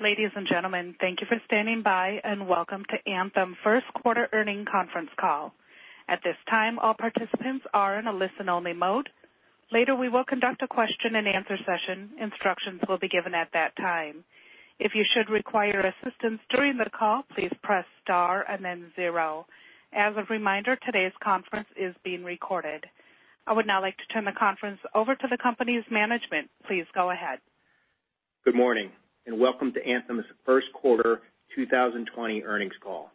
Ladies and gentlemen, thank you for standing by, and welcome to Anthem First Quarter Earnings Conference Call. At this time, all participants are in a listen-only mode. Later we will conduct a question and answer session. Instructions will be given at that time. If you should require assistance during the call, please press star and then zero. As a reminder, today's conference is being recorded. I would now like to turn the conference over to the company's management. Please go ahead. Good morning, welcome to Anthem's First Quarter 2020 Earnings Call.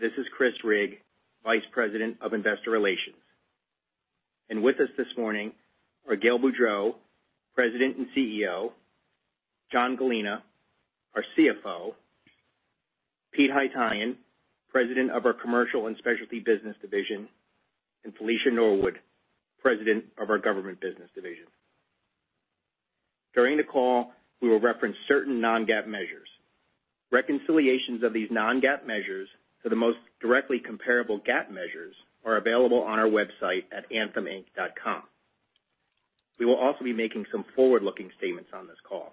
This is Chris Rigg, Vice President of Investor Relations. With us this morning are Gail Boudreaux, President and CEO, John Gallina, our CFO, Pete Haytaian, President of our Commercial and Specialty Business division, and Felicia Norwood, President of our Government Business division. During the call, we will reference certain non-GAAP measures. Reconciliations of these non-GAAP measures to the most directly comparable GAAP measures are available on our website at antheminc.com. We will also be making some forward-looking statements on this call.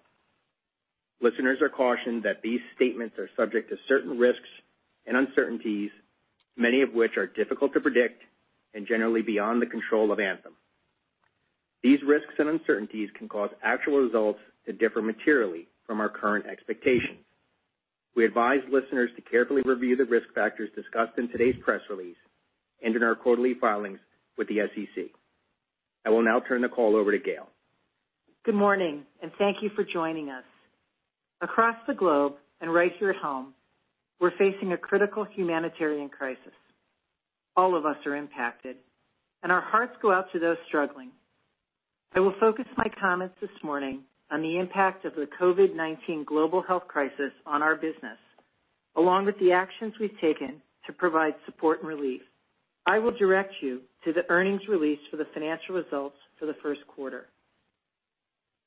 Listeners are cautioned that these statements are subject to certain risks and uncertainties, many of which are difficult to predict and generally beyond the control of Anthem. These risks and uncertainties can cause actual results to differ materially from our current expectations. We advise listeners to carefully review the risk factors discussed in today's press release and in our quarterly filings with the SEC. I will now turn the call over to Gail. Good morning. Thank you for joining us. Across the globe and right here at home, we're facing a critical humanitarian crisis. All of us are impacted, and our hearts go out to those struggling. I will focus my comments this morning on the impact of the COVID-19 global health crisis on our business, along with the actions we've taken to provide support and relief. I will direct you to the earnings release for the financial results for the first quarter.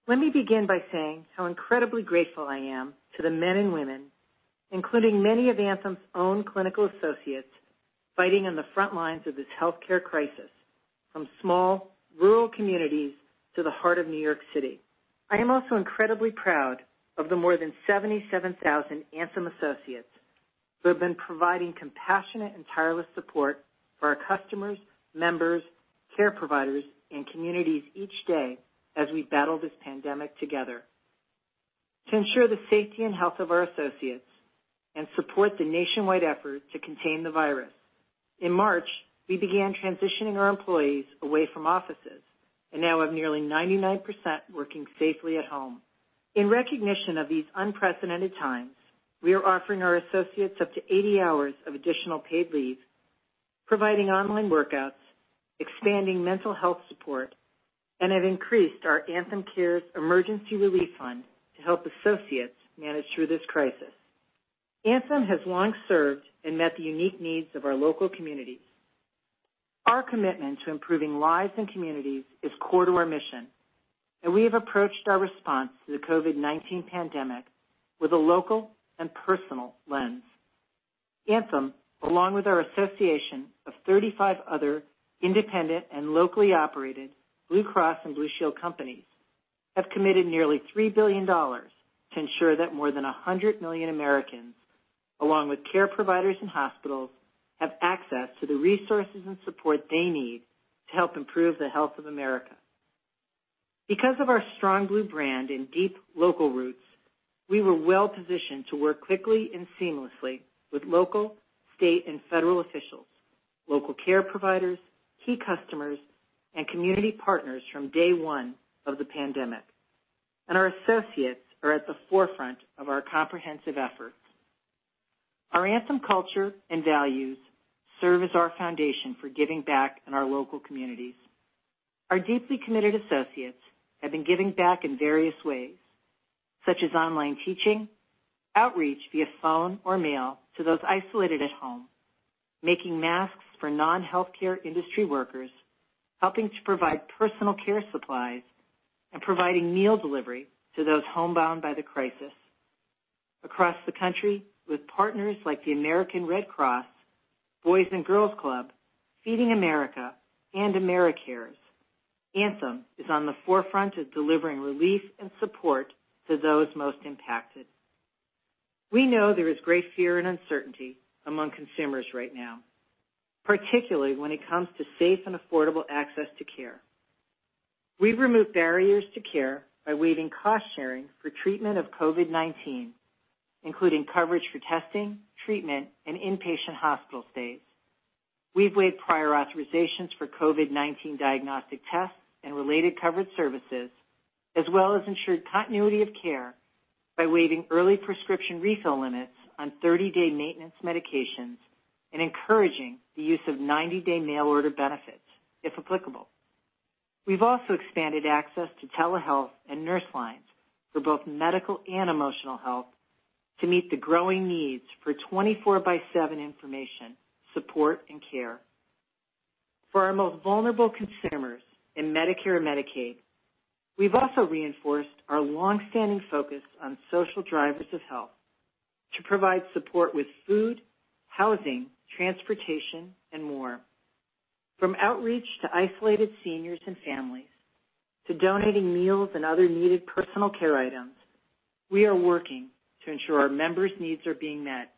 Let me begin by saying how incredibly grateful I am to the men and women, including many of Anthem's own clinical associates, fighting on the frontlines of this healthcare crisis, from small rural communities to the heart of New York City. I am also incredibly proud of the more than 77,000 Anthem associates who have been providing compassionate and tireless support for our customers, members, care providers, and communities each day as we battle this pandemic together. To ensure the safety and health of our associates and support the nationwide effort to contain the virus, in March, we began transitioning our employees away from offices and now have nearly 99% working safely at home. In recognition of these unprecedented times, we are offering our associates up to 80 hours of additional paid leave, providing online workouts, expanding mental health support, and have increased our Anthem Cares Emergency Relief Fund to help associates manage through this crisis. Anthem has long served and met the unique needs of our local communities. Our commitment to improving lives and communities is core to our mission. We have approached our response to the COVID-19 pandemic with a local and personal lens. Anthem, along with our association of 35 other independent and locally operated Blue Cross and Blue Shield companies, have committed nearly $3 billion to ensure that more than 100 million Americans, along with care providers and hospitals, have access to the resources and support they need to help improve the health of America. Because of our strong Blue brand and deep local roots, we were well-positioned to work quickly and seamlessly with local, state, and federal officials, local care providers, key customers, and community partners from day one of the pandemic. Our associates are at the forefront of our comprehensive efforts. Our Anthem culture and values serve as our foundation for giving back in our local communities. Our deeply committed associates have been giving back in various ways, such as online teaching, outreach via phone or mail to those isolated at home, making masks for non-healthcare industry workers, helping to provide personal care supplies, and providing meal delivery to those homebound by the crisis. Across the country with partners like the American Red Cross, Boys & Girls Club, Feeding America, and Americares, Anthem is on the forefront of delivering relief and support to those most impacted. We know there is great fear and uncertainty among consumers right now, particularly when it comes to safe and affordable access to care. We've removed barriers to care by waiving cost-sharing for treatment of COVID-19, including coverage for testing, treatment, and inpatient hospital stays. We've waived prior authorizations for COVID-19 diagnostic tests and related coverage services, as well as ensured continuity of care by waiving early prescription refill limits on 30-day maintenance medications and encouraging the use of 90-day mail order benefits, if applicable. We've also expanded access to telehealth and nurse lines for both medical and emotional health to meet the growing needs for 24/7 information, support, and care. For our most vulnerable consumers in Medicare and Medicaid, we've also reinforced our longstanding focus on social drivers of health to provide support with food, housing, transportation, and more. From outreach to isolated seniors and families, to donating meals and other needed personal care items, we are working to ensure our members' needs are being met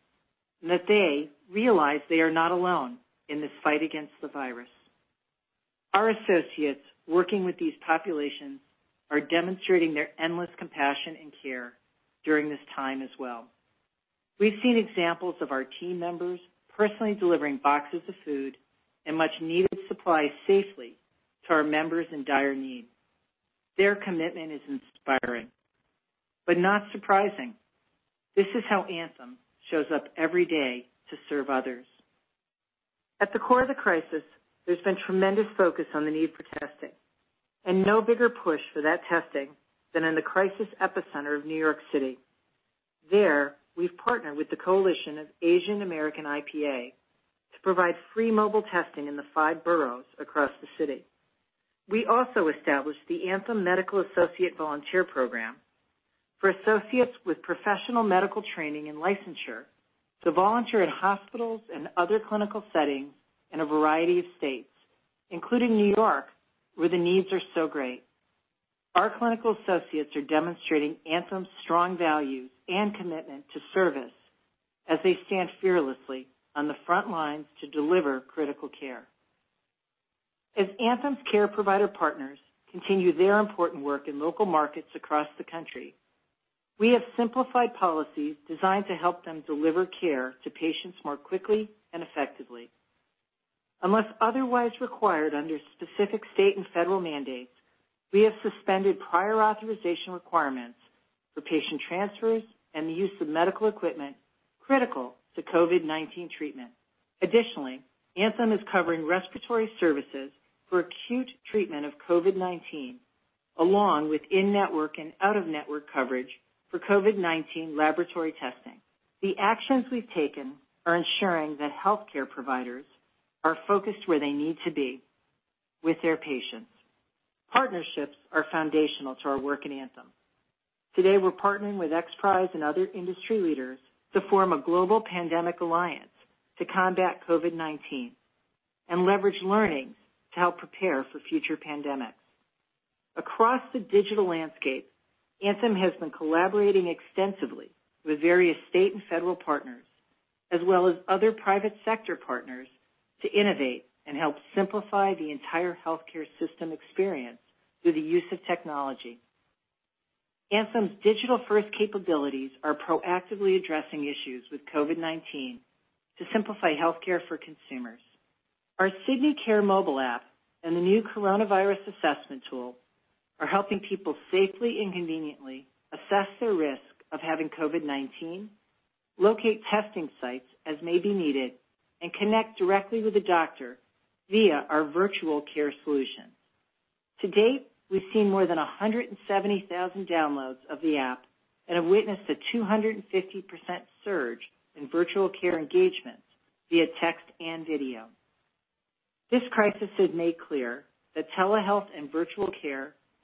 and that they realize they are not alone in this fight against the virus. Our associates working with these populations are demonstrating their endless compassion and care during this time as well. We've seen examples of our team members personally delivering boxes of food and much-needed supplies safely to our members in dire need. Their commitment is inspiring but not surprising. This is how Anthem shows up every day to serve others. At the core of the crisis, there's been tremendous focus on the need for testing and no bigger push for that testing than in the crisis epicenter of New York City. There, we've partnered with the Coalition of Asian-American IPA to provide free mobile testing in the five boroughs across the city. We also established the Anthem Medical Associate Volunteer Program for associates with professional medical training and licensure to volunteer at hospitals and other clinical settings in a variety of states, including New York, where the needs are so great. Our clinical associates are demonstrating Anthem's strong values and commitment to service as they stand fearlessly on the front lines to deliver critical care. As Anthem's care provider partners continue their important work in local markets across the country, we have simplified policies designed to help them deliver care to patients more quickly and effectively. Unless otherwise required under specific state and federal mandates, we have suspended prior authorization requirements for patient transfers and the use of medical equipment critical to COVID-19 treatment. Additionally, Anthem is covering respiratory services for acute treatment of COVID-19, along with in-network and out-of-network coverage for COVID-19 laboratory testing. The actions we've taken are ensuring that healthcare providers are focused where they need to be, with their patients. Partnerships are foundational to our work in Anthem. Today, we're partnering with XPRIZE and other industry leaders to form a global pandemic alliance to combat COVID-19 and leverage learnings to help prepare for future pandemics. Across the digital landscape, Anthem has been collaborating extensively with various state and federal partners, as well as other private sector partners, to innovate and help simplify the entire healthcare system experience through the use of technology. Anthem's digital-first capabilities are proactively addressing issues with COVID-19 to simplify healthcare for consumers. Our Sydney Care mobile app and the new coronavirus assessment tool are helping people safely and conveniently assess their risk of having COVID-19, locate testing sites as may be needed, and connect directly with a doctor via our virtual care solution. To date, we've seen more than 170,000 downloads of the app and have witnessed a 250% surge in virtual care engagements via text and video. This crisis has made clear that telehealth and virtual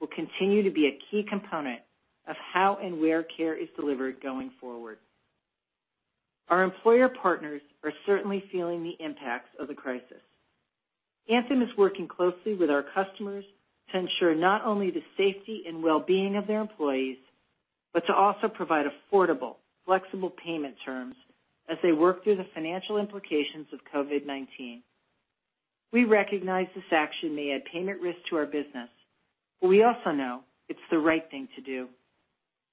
care will continue to be a key component of how and where care is delivered going forward. Our employer partners are certainly feeling the impacts of the crisis. Anthem is working closely with our customers to ensure not only the safety and wellbeing of their employees but to also provide affordable, flexible payment terms as they work through the financial implications of COVID-19. We recognize this action may add payment risk to our business, but we also know it's the right thing to do.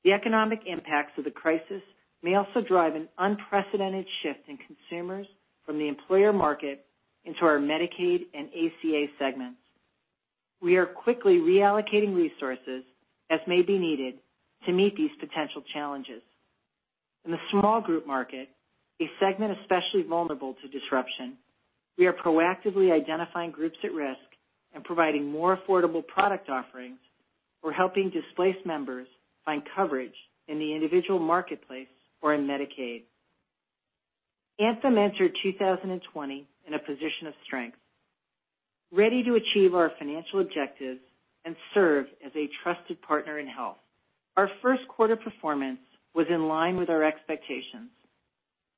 The economic impacts of the crisis may also drive an unprecedented shift in consumers from the employer market into our Medicaid and ACA segments. We are quickly reallocating resources as may be needed to meet these potential challenges. In the small group market, a segment especially vulnerable to disruption, we are proactively identifying groups at risk and providing more affordable product offerings or helping displaced members find coverage in the individual marketplace or in Medicaid. Anthem entered 2020 in a position of strength, ready to achieve our financial objectives and serve as a trusted partner in health. Our first quarter performance was in line with our expectations.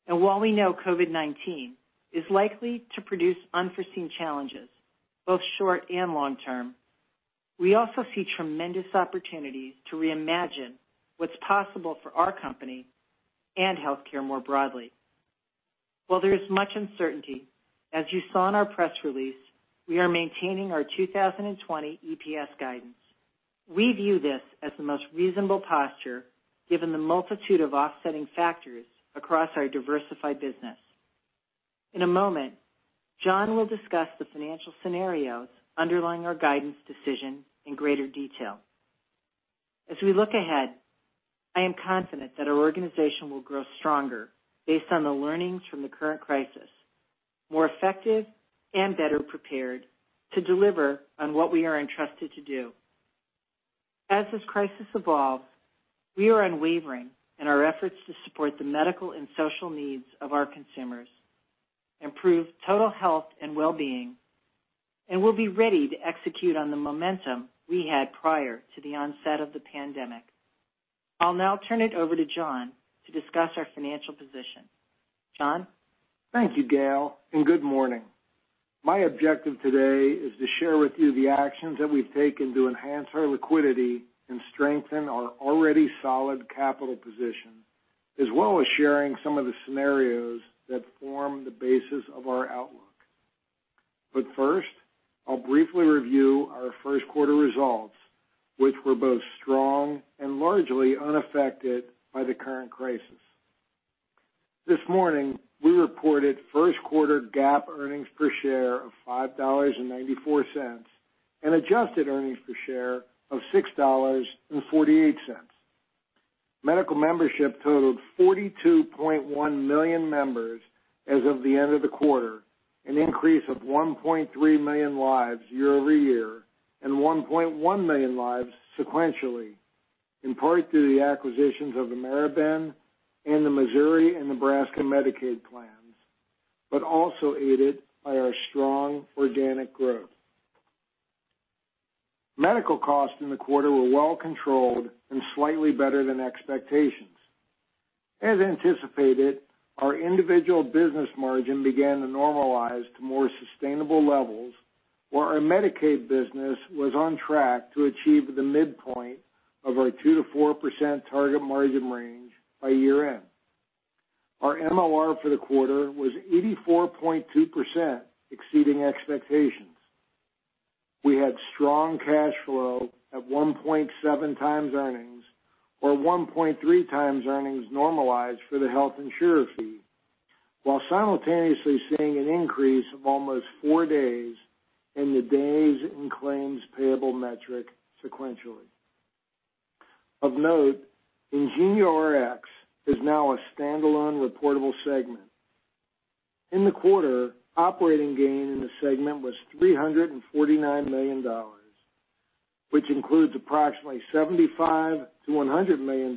While we know COVID-19 is likely to produce unforeseen challenges, both short and long-term, we also see tremendous opportunities to reimagine what's possible for our company and healthcare more broadly. While there is much uncertainty, as you saw in our press release, we are maintaining our 2020 EPS guidance. We view this as the most reasonable posture given the multitude of offsetting factors across our diversified business. In a moment, John will discuss the financial scenarios underlying our guidance decision in greater detail. As we look ahead, I am confident that our organization will grow stronger based on the learnings from the current crisis, more effective and better prepared to deliver on what we are entrusted to do. As this crisis evolves, we are unwavering in our efforts to support the medical and social needs of our consumers, improve total health and wellbeing, and we'll be ready to execute on the momentum we had prior to the onset of the pandemic. I'll now turn it over to John to discuss our financial position. John? Thank you, Gail, good morning. My objective today is to share with you the actions that we've taken to enhance our liquidity and strengthen our already solid capital position, as well as sharing some of the scenarios that form the basis of our outlook. First, I'll briefly review our first quarter results, which were both strong and largely unaffected by the current crisis. This morning, we reported first quarter GAAP earnings per share of $5.94, adjusted earnings per share of $6.48. Medical membership totaled 42.1 million members as of the end of the quarter, an increase of 1.3 million lives year-over-year, 1.1 million lives sequentially, in part through the acquisitions of AmeriBen and the Missouri and Nebraska Medicaid plans, also aided by our strong organic growth. Medical costs in the quarter were well controlled and slightly better than expectations. As anticipated, our individual business margin began to normalize to more sustainable levels, where our Medicaid business was on track to achieve the midpoint of our 2%-4% target margin range by year end. Our MLR for the quarter was 84.2%, exceeding expectations. We had strong cash flow at 1.7x earnings or 1.3x earnings normalized for the health insurer fee, while simultaneously seeing an increase of almost four days in the days in claims payable metric sequentially. Of note, IngenioRx is now a standalone reportable segment. In the quarter, operating gain in the segment was $349 million, which includes approximately $75 million-$100 million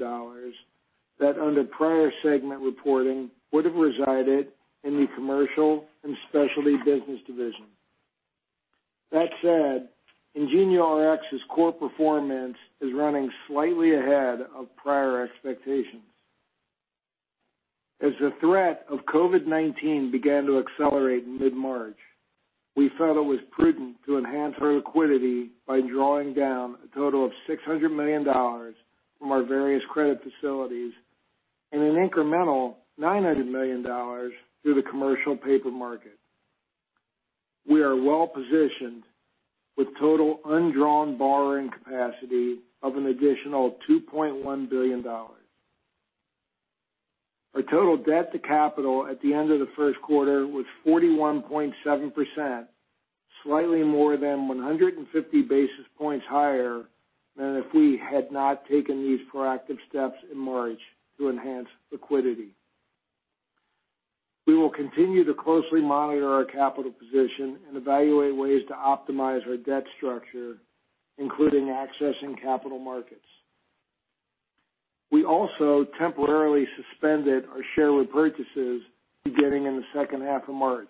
that under prior segment reporting would have resided in the commercial and specialty business division. That said, IngenioRx's core performance is running slightly ahead of prior expectations. As the threat of COVID-19 began to accelerate in mid-March, we felt it was prudent to enhance our liquidity by drawing down a total of $600 million from our various credit facilities and an incremental $900 million through the commercial paper market. We are well positioned with total undrawn borrowing capacity of an additional $2.1 billion. Our total debt to capital at the end of the first quarter was 41.7%, slightly more than 150 basis points higher than if we had not taken these proactive steps in March to enhance liquidity. We will continue to closely monitor our capital position and evaluate ways to optimize our debt structure, including accessing capital markets. We also temporarily suspended our share repurchases beginning in the second half of March.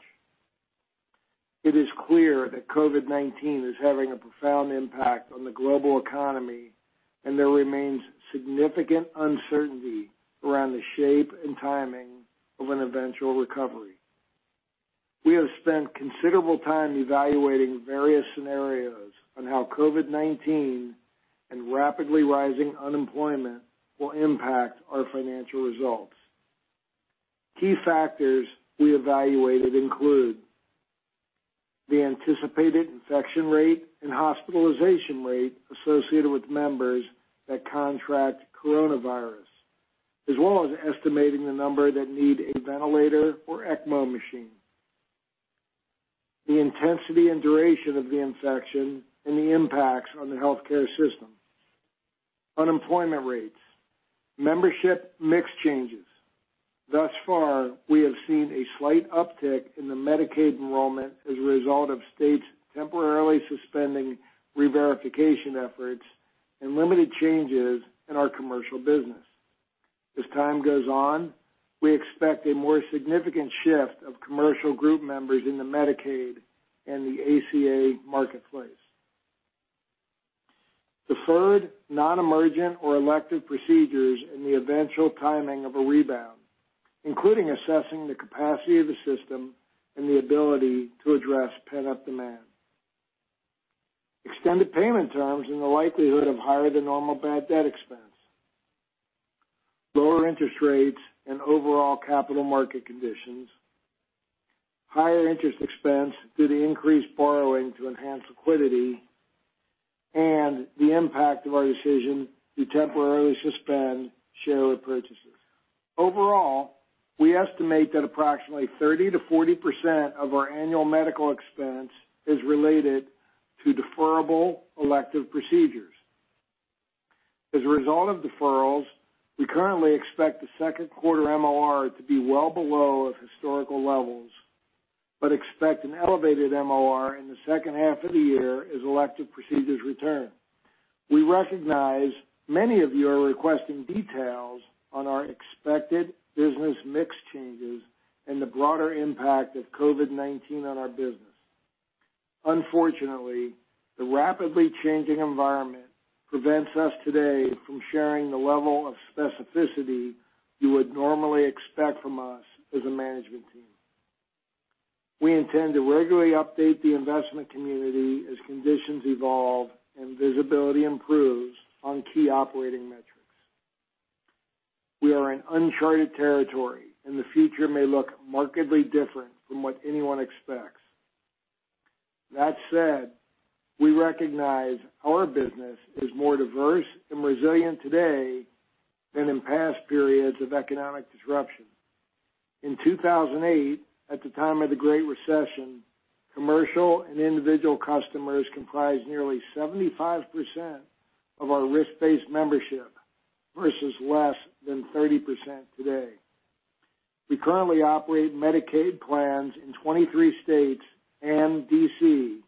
It is clear that COVID-19 is having a profound impact on the global economy, and there remains significant uncertainty around the shape and timing of an eventual recovery. We have spent considerable time evaluating various scenarios on how COVID-19 and rapidly rising unemployment will impact our financial results. Key factors we evaluated include the anticipated infection rate and hospitalization rate associated with members that contract coronavirus, as well as estimating the number that need a ventilator or ECMO machine. The intensity and duration of the infection and the impacts on the healthcare system. Unemployment rates. Membership mix changes. Thus far, we have seen a slight uptick in the Medicaid enrollment as a result of states temporarily suspending reverification efforts and limited changes in our commercial business. As time goes on, we expect a more significant shift of commercial group members in the Medicaid and the ACA marketplace. Deferred non-emergent or elective procedures and the eventual timing of a rebound, including assessing the capacity of the system and the ability to address pent-up demand. Extended payment terms and the likelihood of higher than normal bad debt expense. Lower interest rates and overall capital market conditions. Higher interest expense due to increased borrowing to enhance liquidity, and the impact of our decision to temporarily suspend share repurchases. Overall, we estimate that approximately 30%-40% of our annual medical expense is related to deferrable elective procedures. As a result of deferrals, we currently expect the second quarter MLR to be well below its historical levels, but expect an elevated MLR in the second half of the year as elective procedures return. We recognize many of you are requesting details on our expected business mix changes and the broader impact of COVID-19 on our business. Unfortunately, the rapidly changing environment prevents us today from sharing the level of specificity you would normally expect from us as a management team. We intend to regularly update the investment community as conditions evolve and visibility improves on key operating metrics. We are in uncharted territory. The future may look markedly different from what anyone expects. That said, we recognize our business is more diverse and resilient today than in past periods of economic disruption. In 2008, at the time of the Great Recession, commercial and individual customers comprised nearly 75% of our risk-based membership, versus less than 30% today. We currently operate Medicaid plans in 23 states and D.C.,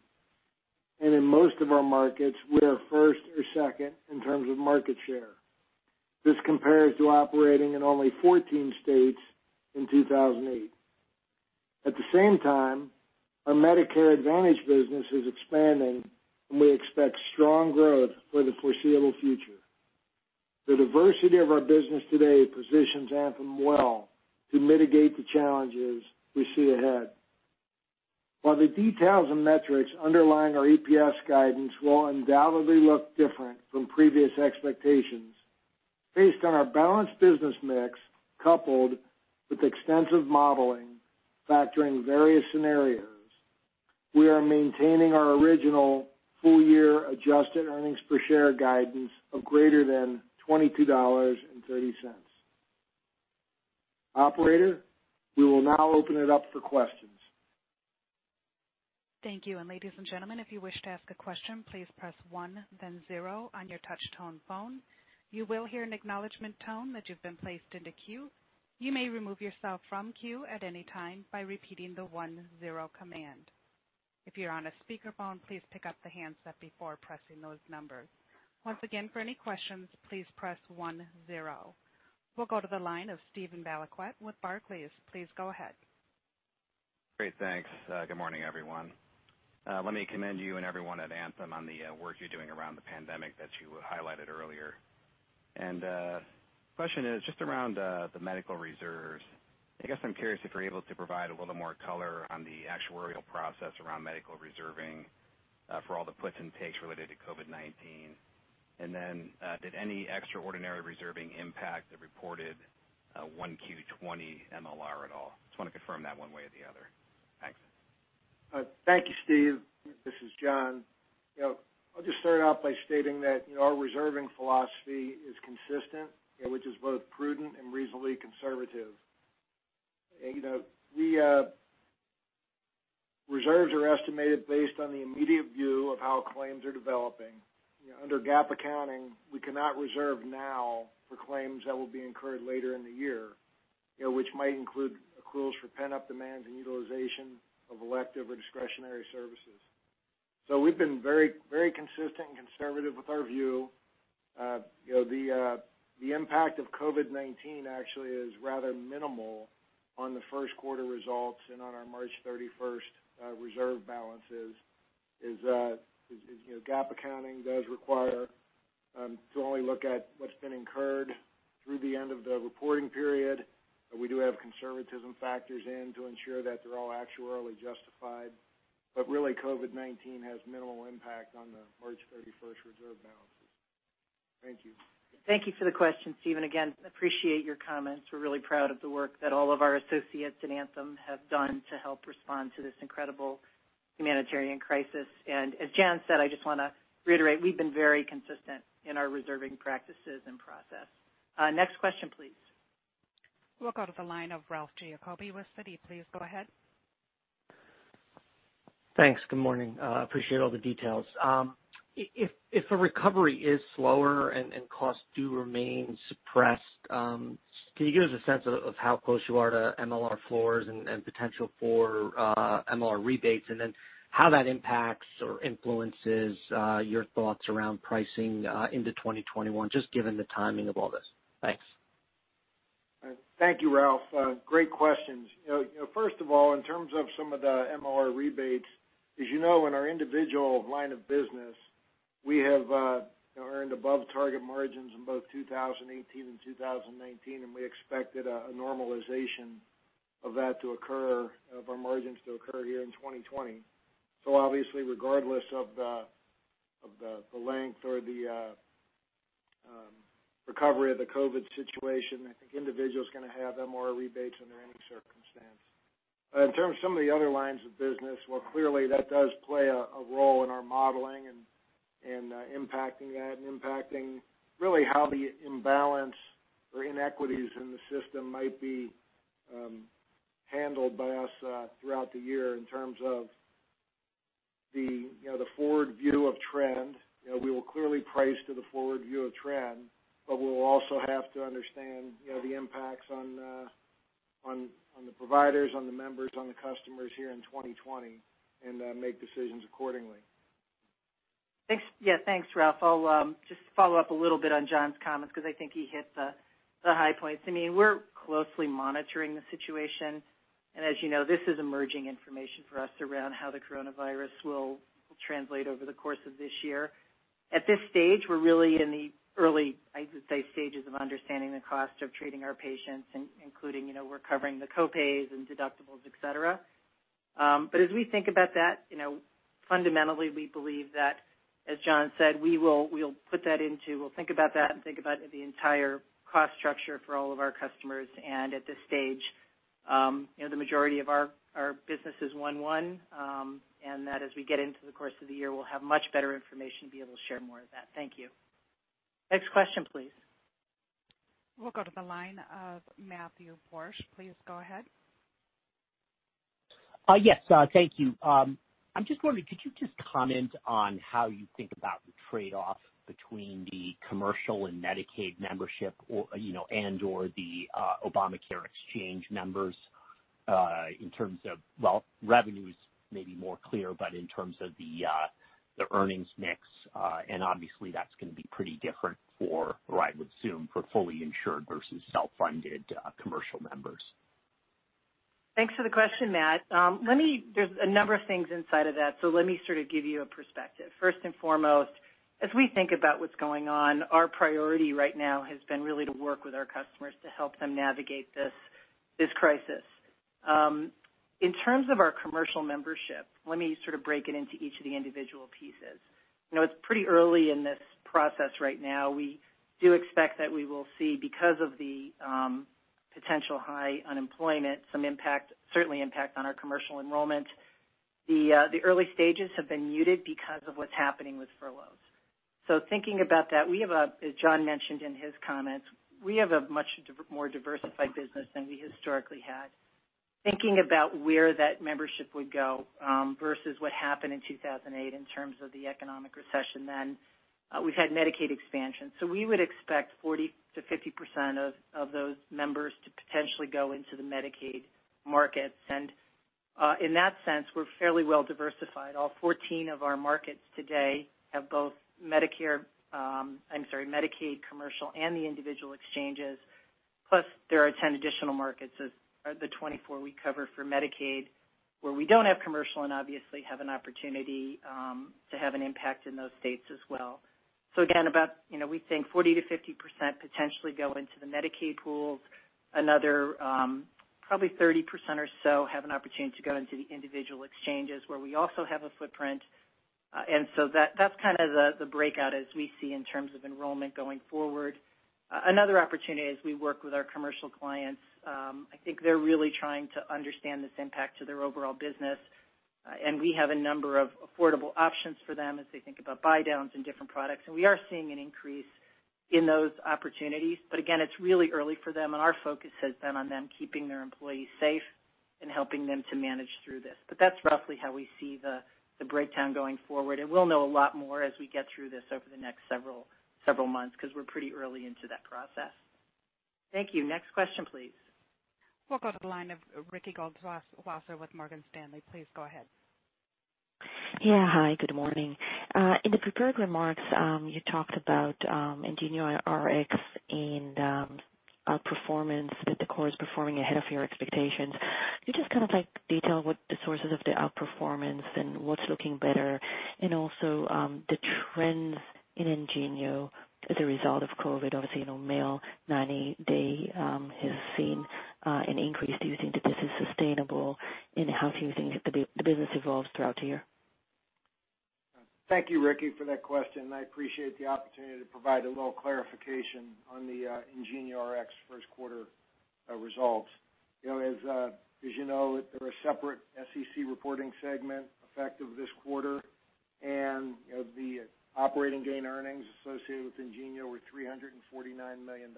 in most of our markets, we are first or second in terms of market share. This compares to operating in only 14 states in 2008. At the same time, our Medicare Advantage business is expanding. We expect strong growth for the foreseeable future. The diversity of our business today positions Anthem well to mitigate the challenges we see ahead. While the details and metrics underlying our EPS guidance will undoubtedly look different from previous expectations, based on our balanced business mix, coupled with extensive modeling factoring various scenarios, we are maintaining our original full-year adjusted earnings per share guidance of greater than $22.30. Operator, we will now open it up for questions. Thank you. Ladies and gentlemen, if you wish to ask a question, please press one then zero on your touch-tone phone. You will hear an acknowledgment tone that you've been placed into queue. You may remove yourself from queue at any time by repeating the one-zero command. If you're on a speakerphone, please pick up the handset before pressing those numbers. Once again, for any questions, please press one-zero. We'll go to the line of Steven Valiquette with Barclays. Please go ahead. Great. Thanks. Good morning, everyone. Let me commend you and everyone at Anthem on the work you're doing around the pandemic that you highlighted earlier. The question is just around the medical reserves. I guess I'm curious if you're able to provide a little more color on the actuarial process around medical reserving for all the puts and takes related to COVID-19. Did any extraordinary reserving impact the reported 1Q 2020 MLR at all? Just want to confirm that one way or the other. Thanks. Thank you, Steve. This is John. I'll just start out by stating that our reserving philosophy is consistent and which is both prudent and reasonably conservative. Reserves are estimated based on the immediate view of how claims are developing. Under GAAP accounting, we cannot reserve now for claims that will be incurred later in the year, which might include accruals for pent-up demands and utilization of elective or discretionary services. We've been very consistent and conservative with our view. The impact of COVID-19 actually is rather minimal on the first quarter results and on our March 31st reserve balances, is GAAP accounting does require to only look at what's been incurred through the end of the reporting period. We do have conservatism factors in to ensure that they're all actuarially justified. Really, COVID-19 has minimal impact on the March 31st reserve balances. Thank you. Thank you for the question, Steven. Again, appreciate your comments. We're really proud of the work that all of our associates at Anthem have done to help respond to this incredible humanitarian crisis. As John said, I just want to reiterate, we've been very consistent in our reserving practices and process. Next question, please. We'll go to the line of Ralph Giacobbe with Citi. Please go ahead. Thanks. Good morning. Appreciate all the details. If a recovery is slower and costs do remain suppressed, can you give us a sense of how close you are to MLR floors and potential for MLR rebates, and then how that impacts or influences your thoughts around pricing into 2021, just given the timing of all this? Thanks. Thank you, Ralph. Great questions. First of all, in terms of some of the MLR rebates, as you know, in our individual line of business, we have earned above target margins in both 2018 and 2019. We expected a normalization of our margins to occur here in 2020. Obviously, regardless of the length or the recovery of the COVID situation, I think individuals are going to have MLR rebates under any circumstance. In terms of some of the other lines of business, well, clearly that does play a role in our modeling and impacting that and impacting really how the imbalance or inequities in the system might be handled by us throughout the year in terms of the forward view of trend. We will clearly price to the forward view of trend, but we will also have to understand the impacts on the providers, on the members, on the customers here in 2020, and make decisions accordingly. Thanks. Yeah. Thanks, Ralph. I'll just follow up a little bit on John's comments because I think he hit the high points. We're closely monitoring the situation, and as you know, this is emerging information for us around how the coronavirus will translate over the course of this year. At this stage, we're really in the early, I would say, stages of understanding the cost of treating our patients, including, we're covering the copays and deductibles, etcetera. As we think about that, fundamentally, we believe that, as John said, we'll think about that and think about the entire cost structure for all of our customers. At this stage, the majority of our business is 1:1, and that as we get into the course of the year, we'll have much better information to be able to share more of that. Thank you. Next question, please. We'll go to the line of Matthew Borsch. Please go ahead. Yes. Thank you. I'm just wondering, could you just comment on how you think about the trade-off between the commercial and Medicaid membership, and/or the Obamacare exchange members, in terms of, well, revenue is maybe more clear, but in terms of the earnings mix. Obviously, that's going to be pretty different for, I would assume, for fully insured versus self-funded commercial members. Thanks for the question, Matt. There's a number of things inside of that. Let me sort of give you a perspective. First and foremost, as we think about what's going on, our priority right now has been really to work with our customers to help them navigate this crisis. In terms of our commercial membership, let me sort of break it into each of the individual pieces. It's pretty early in this process right now. We do expect that we will see, because of the potential high unemployment, some impact, certainly impact on our commercial enrollment. The early stages have been muted because of what's happening with furloughs. Thinking about that, as John mentioned in his comments, we have a much more diversified business than we historically had. Thinking about where that membership would go, versus what happened in 2008 in terms of the economic recession then, we've had Medicaid expansion. We would expect 40%-50% of those members to potentially go into the Medicaid markets. In that sense, we're fairly well diversified. All 14 of our markets today have both Medicare, I'm sorry, Medicaid, commercial, and the individual exchanges. There are 10 additional markets of the 24 we cover for Medicaid, where we don't have commercial and obviously have an opportunity to have an impact in those states as well. Again, we think 40%-50% potentially go into the Medicaid pools. Another probably 30% or so have an opportunity to go into the individual exchanges where we also have a footprint. That's kind of the breakout as we see in terms of enrollment going forward. Another opportunity as we work with our commercial clients, I think they're really trying to understand this impact to their overall business. We have a number of affordable options for them as they think about buydowns and different products. We are seeing an increase in those opportunities, but again, it's really early for them, and our focus has been on them keeping their employees safe and helping them to manage through this. That's roughly how we see the breakdown going forward. We'll know a lot more as we get through this over the next several months because we're pretty early into that process. Thank you. Next question, please. We'll go to the line of Ricky Goldwasser with Morgan Stanley. Please go ahead. Yeah. Hi, good morning. In the prepared remarks, you talked about IngenioRx and outperformance with the core is performing ahead of your expectations. Can you just kind of detail what the sources of the outperformance and what's looking better and also, the trends in Ingenio as a result of COVID? Obviously, mail, 90-day, has seen an increase. Do you think that this is sustainable? How do you think the business evolves throughout the year? Thank you, Ricky, for that question. I appreciate the opportunity to provide a little clarification on the IngenioRx first quarter results. As you know, they're a separate SEC reporting segment effective this quarter. The operating gain earnings associated with Ingenio were $349 million.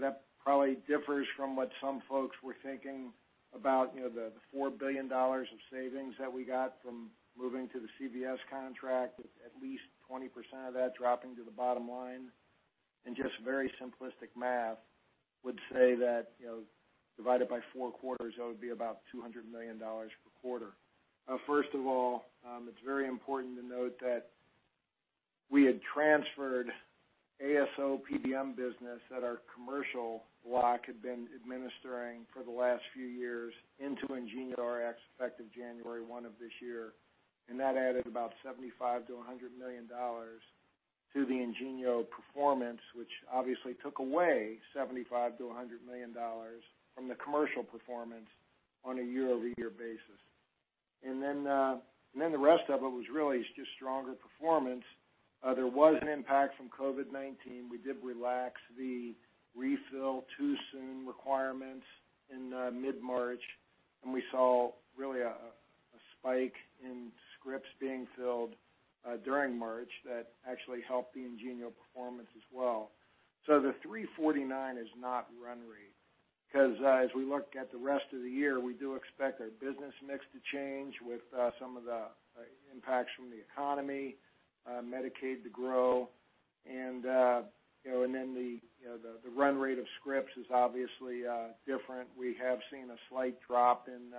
That probably differs from what some folks were thinking about, the $4 billion of savings that we got from moving to the CVS contract, with at least 20% of that dropping to the bottom line. Just very simplistic math would say that, divided by four quarters, that would be about $200 million per quarter. First of all, it's very important to note that we had transferred ASO PBM business that our commercial block had been administering for the last few years into IngenioRx effective January 1 of this year. That added about $75 million-$100 million to the Ingenio performance, which obviously took away $75 million-$100 million from the commercial performance on a year-over-year basis. The rest of it was really just stronger performance. There was an impact from COVID-19. We did relax the refill too soon requirements in mid-March. We saw really a spike in scripts being filled during March that actually helped the Ingenio performance as well. The $349 million is not run rate, because as we look at the rest of the year, we do expect our business mix to change with some of the impacts from the economy, Medicaid to grow. The run rate of scripts is obviously different. We have seen a slight drop in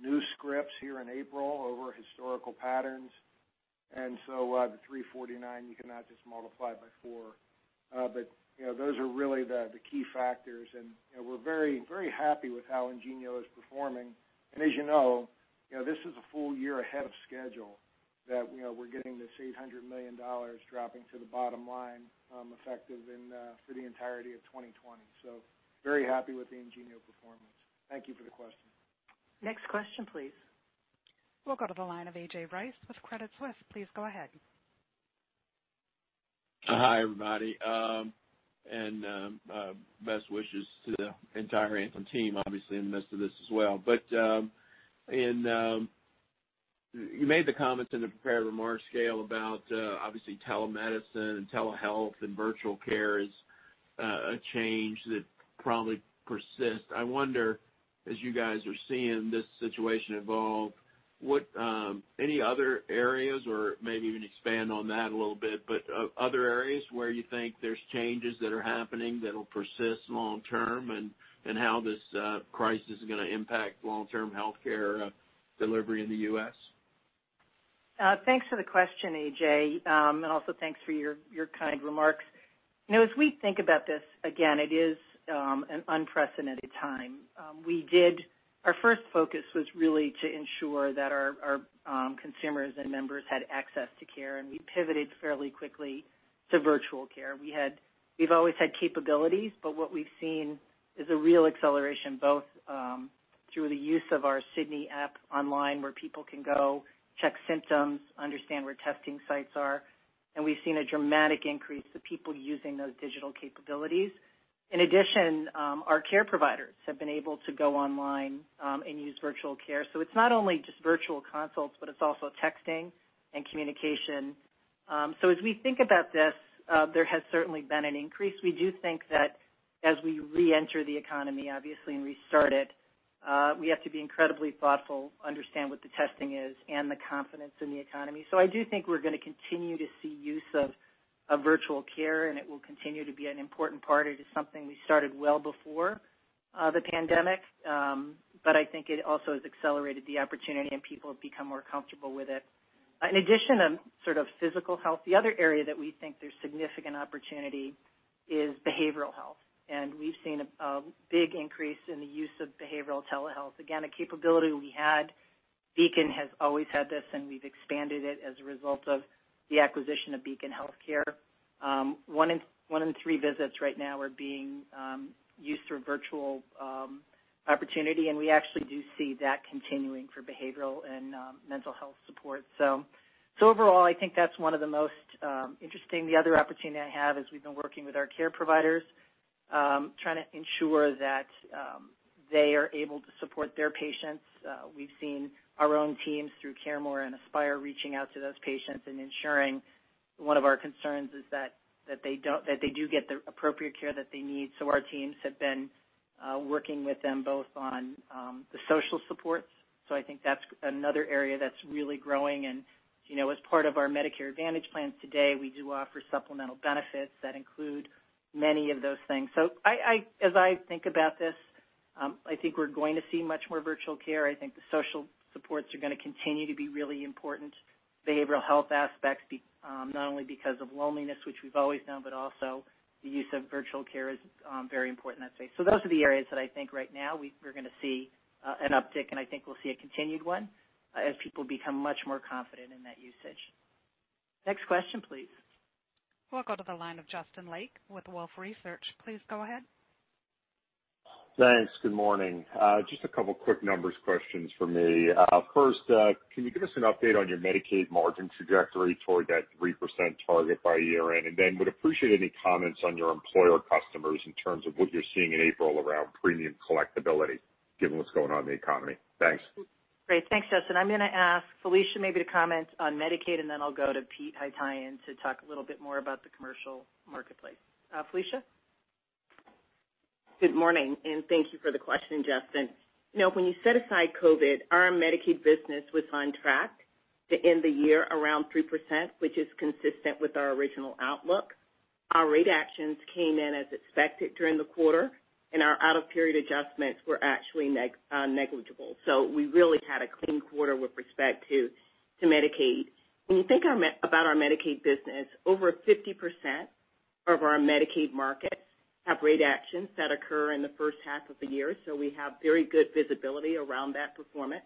new scripts here in April over historical patterns. The $349 million, you cannot just multiply it by four. Those are really the key factors, and we're very happy with how Ingenio is performing. As you know, this is a full year ahead of schedule that we're getting this $800 million dropping to the bottom line effective for the entirety of 2020. Very happy with the Ingenio performance. Thank you for the question. Next question, please. We'll go to the line of A.J. Rice with Credit Suisse. Please go ahead. Hi, everybody. Best wishes to the entire Anthem team, obviously, in the midst of this as well. You made the comments in the prepared remarks, Gail, about obviously telemedicine and telehealth and virtual care is a change that probably persists. I wonder, as you guys are seeing this situation evolve, any other areas or maybe even expand on that a little bit, but other areas where you think there's changes that are happening that'll persist long-term, and how this crisis is going to impact long-term healthcare delivery in the U.S.? Thanks for the question, A.J., and also thanks for your kind remarks. As we think about this, again, it is an unprecedented time. Our first focus was really to ensure that our consumers and members had access to care, and we pivoted fairly quickly to virtual care. We've always had capabilities, but what we've seen is a real acceleration both through the use of our Sydney app online where people can go check symptoms, understand where testing sites are, and we've seen a dramatic increase of people using those digital capabilities. In addition, our care providers have been able to go online and use virtual care. It's not only just virtual consults, but it's also texting and communication. As we think about this, there has certainly been an increase. We do think that as we reenter the economy, obviously, and restart it, we have to be incredibly thoughtful, understand what the testing is, and the confidence in the economy. I do think we're going to continue to see use of virtual care, and it will continue to be an important part. It is something we started well before the pandemic. I think it also has accelerated the opportunity, and people have become more comfortable with it. In addition to sort of physical health, the other area that we think there's significant opportunity is behavioral health. We've seen a big increase in the use of behavioral telehealth. Again, a capability we had. Beacon has always had this, and we've expanded it as a result of the acquisition of Beacon Healthcare. One in three visits right now are being used through virtual opportunity. We actually do see that continuing for behavioral and mental health support. Overall, I think that's one of the most interesting. The other opportunity I have is we've been working with our care providers, trying to ensure that they are able to support their patients. We've seen our own teams through CareMore and Aspire reaching out to those patients and ensuring one of our concerns is that they do get the appropriate care that they need. Our teams have been working with them both on the social supports. I think that's another area that's really growing. As part of our Medicare Advantage plans today, we do offer supplemental benefits that include many of those things. As I think about this, I think we're going to see much more virtual care. I think the social supports are going to continue to be really important. Behavioral health aspects, not only because of loneliness, which we've always known, but also the use of virtual care is very important. Those are the areas that I think right now we're going to see an uptick, and I think we'll see a continued one as people become much more confident in that usage. Next question, please. We'll go to the line of Justin Lake with Wolfe Research. Please go ahead. Thanks. Good morning. Just a two quick numbers questions for me. First, can you give us an update on your Medicaid margin trajectory toward that 3% target by year-end? Would appreciate any comments on your employer customers in terms of what you're seeing in April around premium collectability given what's going on in the economy. Thanks. Great. Thanks, Justin. I'm going to ask Felicia maybe to comment on Medicaid, and then I'll go to Pete Haytaian to talk a little bit more about the commercial marketplace. Felicia? Good morning. Thank you for the question, Justin. When you set aside COVID, our Medicaid business was on track to end the year around 3%, which is consistent with our original outlook. Our rate actions came in as expected during the quarter, and our out-of-period adjustments were actually negligible. We really had a clean quarter with respect to Medicaid. When you think about our Medicaid business, over 50% of our Medicaid markets have rate actions that occur in the first half of the year, so we have very good visibility around that performance.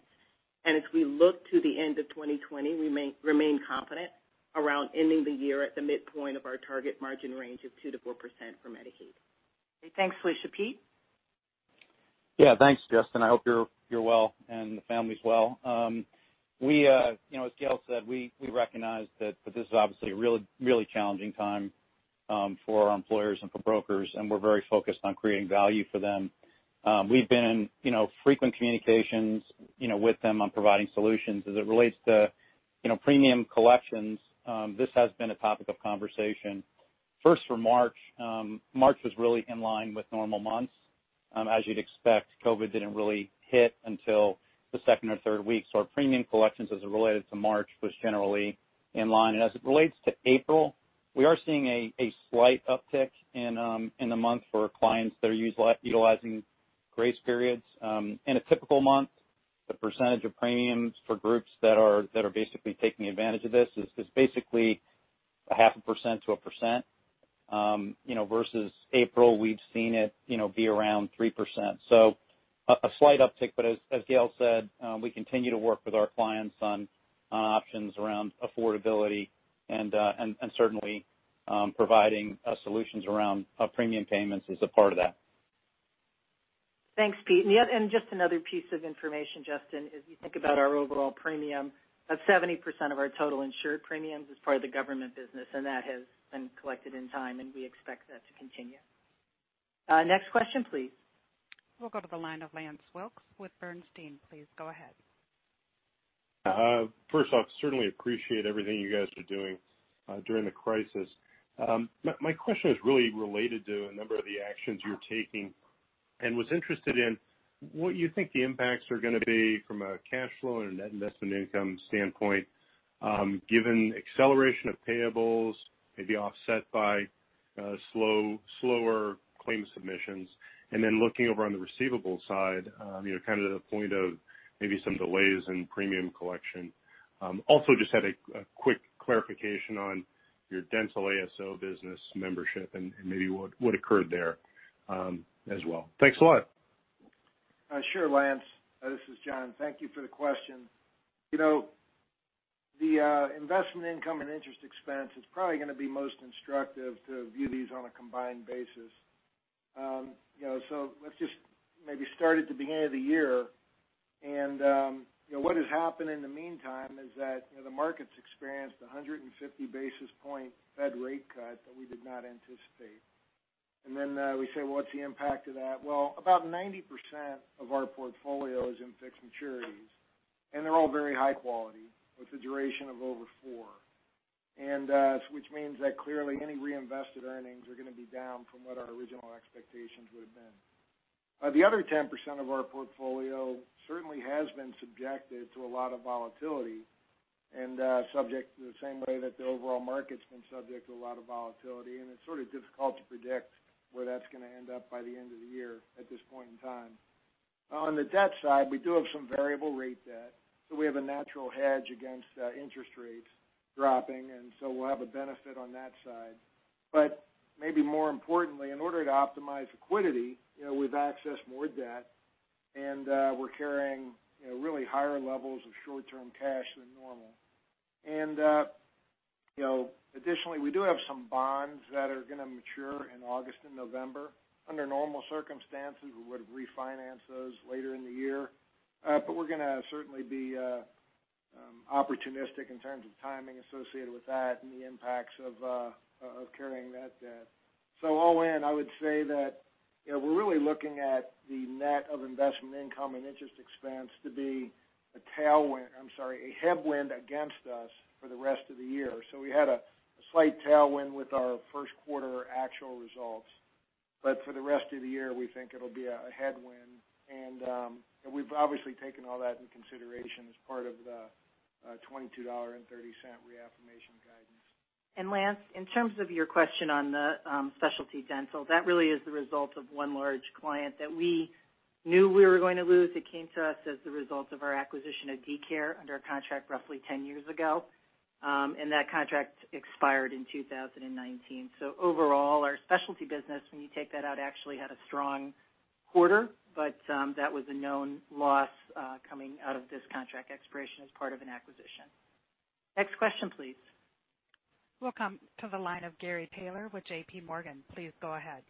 As we look to the end of 2020, we remain confident around ending the year at the midpoint of our target margin range of 2%-4% for Medicaid. Okay. Thanks, Felicia. Pete? Yeah. Thanks, Justin. I hope you're well and the family's well. As Gail said, we recognize that this is obviously a really challenging time for our employers and for brokers, and we're very focused on creating value for them. We've been in frequent communications with them on providing solutions. As it relates to premium collections, this has been a topic of conversation. First for March was really in line with normal months. As you'd expect, COVID didn't really hit until the second or third week. Our premium collections as it related to March was generally in line. As it relates to April, we are seeing a slight uptick in the month for clients that are utilizing grace periods. In a typical month, the percentage of premiums for groups that are basically taking advantage of this is basically 0.5%-1%, versus April, we've seen it be around 3%. A slight uptick, but as Gail said, we continue to work with our clients on options around affordability and certainly providing solutions around premium payments is a part of that. Thanks, Pete. Just another piece of information, Justin, as you think about our overall premium, about 70% of our total insured premiums is part of the government business, and that has been collected in time, and we expect that to continue. Next question, please. We'll go to the line of Lance Wilkes with Bernstein. Please go ahead. First off, certainly appreciate everything you guys are doing during the crisis. My question is really related to a number of the actions you're taking and was interested in what you think the impacts are going to be from a cash flow and a net investment income standpoint, given acceleration of payables may be offset by slower claim submissions, looking over on the receivables side, kind of the point of maybe some delays in premium collection. Also just had a quick clarification on your dental ASO business membership and maybe what occurred there as well. Thanks a lot. Sure, Lance. This is John. Thank you for the question. The investment income and interest expense is probably going to be most instructive to view these on a combined basis. Let's just maybe start at the beginning of the year. What has happened in the meantime is that the market's experienced 150 basis point Fed rate cut that we did not anticipate. We say, well, what's the impact of that? Well, about 90% of our portfolio is in fixed maturities, and they're all very high quality with a duration of over four. Which means that clearly any reinvested earnings are going to be down from what our original expectations would have been. The other 10% of our portfolio certainly has been subjected to a lot of volatility and subject to the same way that the overall market's been subject to a lot of volatility, and it's sort of difficult to predict where that's going to end up by the end of the year at this point in time. On the debt side, we do have some variable rate debt, so we have a natural hedge against interest rates dropping, and so we'll have a benefit on that side. Maybe more importantly, in order to optimize liquidity, we've accessed more debt and we're carrying really higher levels of short-term cash than normal. Additionally, we do have some bonds that are going to mature in August and November. Under normal circumstances, we would have refinanced those later in the year. We're going to certainly be opportunistic in terms of timing associated with that and the impacts of carrying that debt. All in, I would say that we're really looking at the net of investment income and interest expense to be a headwind against us for the rest of the year. We had a slight tailwind with our first quarter actual results. For the rest of the year, we think it'll be a headwind. We've obviously taken all that into consideration as part of the $22.30 reaffirmation guidance. Lance, in terms of your question on the specialty dental, that really is the result of one large client that we knew we were going to lose. It came to us as the result of our acquisition of DeCare under a contract roughly 10 years ago, and that contract expired in 2019. Overall, our specialty business, when you take that out, actually had a strong quarter. That was a known loss coming out of this contract expiration as part of an acquisition. Next question, please. Welcome to the line of Gary Taylor with JPMorgan. Please go ahead.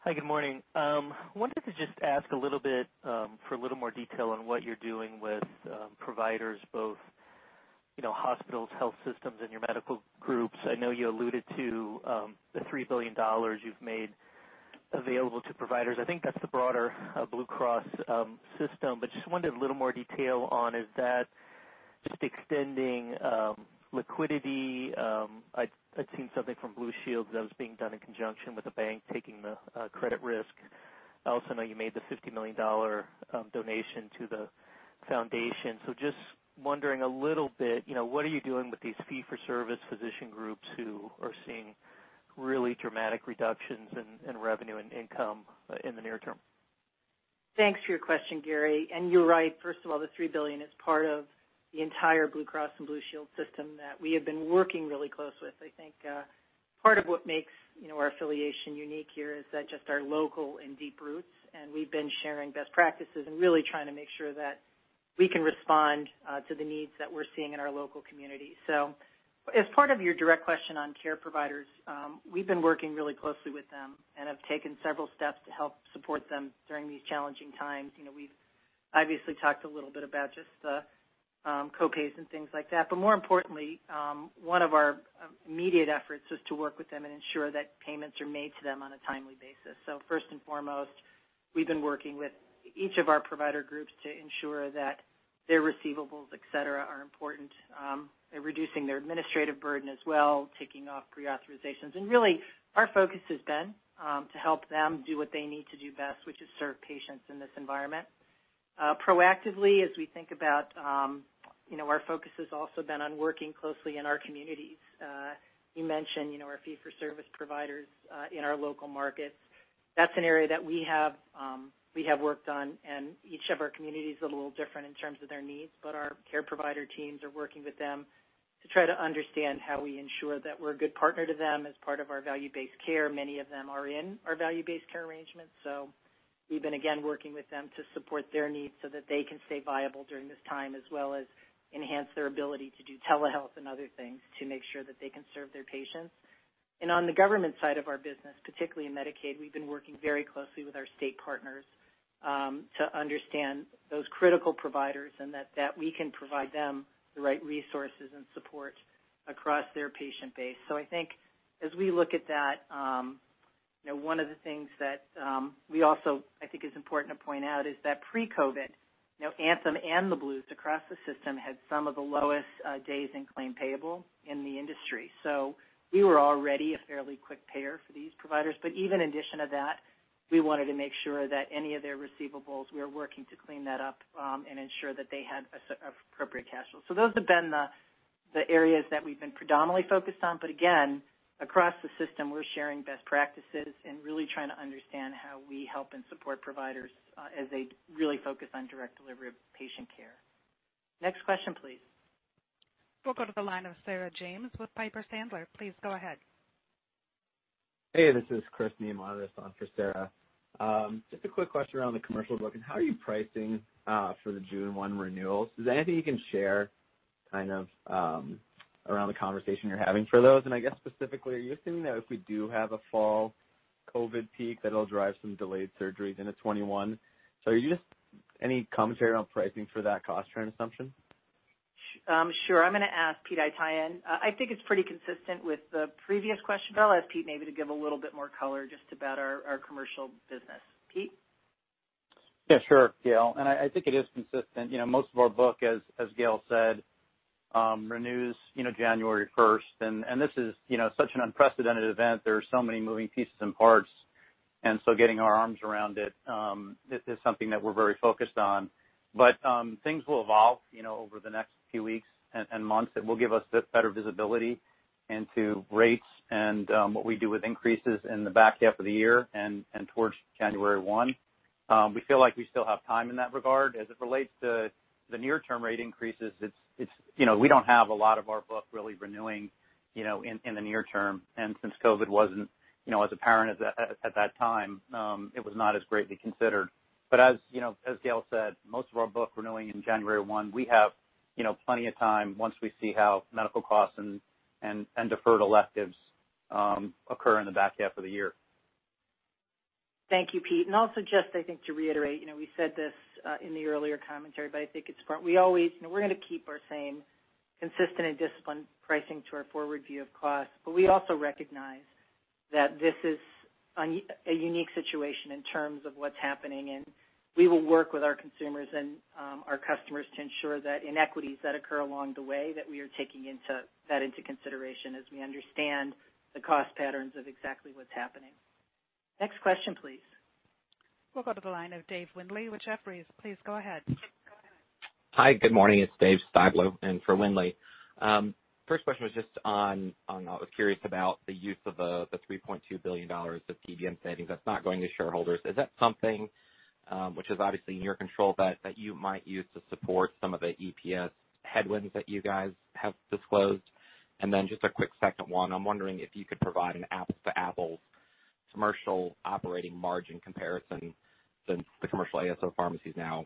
Hi, good morning. Wanted to just ask for a little more detail on what you're doing with providers, both hospitals, health systems, and your medical groups. I know you alluded to the $3 billion you've made available to providers. I think that's the broader Blue Cross, just wondered a little more detail on, is that just extending liquidity? I'd seen something from Blue Shield that was being done in conjunction with a bank taking the credit risk. I also know you made the $50 million donation to the foundation. Just wondering a little bit, what are you doing with these fee for service physician groups who are seeing really dramatic reductions in revenue and income in the near-term? Thanks for your question, Gary. You're right. First of all, the $3 billion is part of the entire Blue Cross and Blue Shield system that we have been working really close with. I think part of what makes our affiliation unique here is that just our local and deep roots, and we've been sharing best practices and really trying to make sure that we can respond to the needs that we're seeing in our local community. As part of your direct question on care providers, we've been working really closely with them and have taken several steps to help support them during these challenging times. We've obviously talked a little bit about just the co-pays and things like that. More importantly, one of our immediate efforts is to work with them and ensure that payments are made to them on a timely basis. First and foremost, we've been working with each of our provider groups to ensure that their receivables, et cetera, are important. They're reducing their administrative burden as well, ticking off pre-authorizations. Really, our focus has been to help them do what they need to do best, which is serve patients in this environment. Proactively, as we think about our focus has also been on working closely in our communities. You mentioned our fee-for-service providers in our local markets. That's an area that we have worked on, and each of our communities is a little different in terms of their needs, but our care provider teams are working with them to try to understand how we ensure that we're a good partner to them as part of our value-based care. Many of them are in our value-based care arrangements. We've been, again, working with them to support their needs so that they can stay viable during this time, as well as enhance their ability to do telehealth and other things to make sure that they can serve their patients. On the government side of our business, particularly in Medicaid, we've been working very closely with our state partners, to understand those critical providers and that we can provide them the right resources and support across their patient base. I think as we look at that, one of the things that we also, I think is important to point out is that pre-COVID, Anthem and the Blues across the system had some of the lowest days in claim payable in the industry. We were already a fairly quick payer for these providers. Even in addition to that, we wanted to make sure that any of their receivables, we are working to clean that up, and ensure that they had appropriate cash flow. Those have been the areas that we've been predominantly focused on, but again, across the system, we're sharing best practices and really trying to understand how we help and support providers as they really focus on direct delivery of patient care. Next question, please. We'll go to the line of Sarah James with Piper Sandler. Please go ahead. Hey, this is Chris Neamonitis on for Sarah. A quick question around the commercial book. How are you pricing for the June 1 renewals? Is there anything you can share around the conversation you're having for those? I guess specifically, are you assuming that if we do have a fall COVID peak, that'll drive some delayed surgeries into 2021? Just any commentary on pricing for that cost trend assumption? Sure. I'm going to ask Pete Haytaian. I think it's pretty consistent with the previous question, but I'll ask Pete maybe to give a little bit more color just about our commercial business. Pete? Yeah, sure, Gail. I think it is consistent. Most of our book, as Gail said, renews January 1. This is such an unprecedented event. There are so many moving pieces and parts, getting our arms around it is something that we're very focused on. Things will evolve over the next few weeks and months that will give us better visibility into rates and what we do with increases in the back half of the year and towards January 1. We feel like we still have time in that regard. As it relates to the near-term rate increases, we don't have a lot of our book really renewing in the near-term. Since COVID wasn't as apparent at that time, it was not as greatly considered. As Gail said, most of our book renewing in January 1, we have plenty of time once we see how medical costs and deferred electives occur in the back half of the year. Thank you, Pete. Also just I think to reiterate, we said this in the earlier commentary, but I think it's important. We're going to keep our same consistent and disciplined pricing to our forward view of costs, but we also recognize that this is a unique situation in terms of what's happening, and we will work with our consumers and our customers to ensure that inequities that occur along the way, that we are taking that into consideration as we understand the cost patterns of exactly what's happening. Next question, please. We'll go to the line of Dave Windley with Jefferies. Please go ahead. Hi, good morning. It's Dave Styblo in for Windley. First question was just, I was curious about the use of the $3.2 billion of PBM savings that's not going to shareholders. Is that something, which is obviously in your control, that you might use to support some of the EPS headwinds that you guys have disclosed? Just a quick second one, I'm wondering if you could provide an apples-to-apples commercial operating margin comparison since the commercial ASO pharmacy is now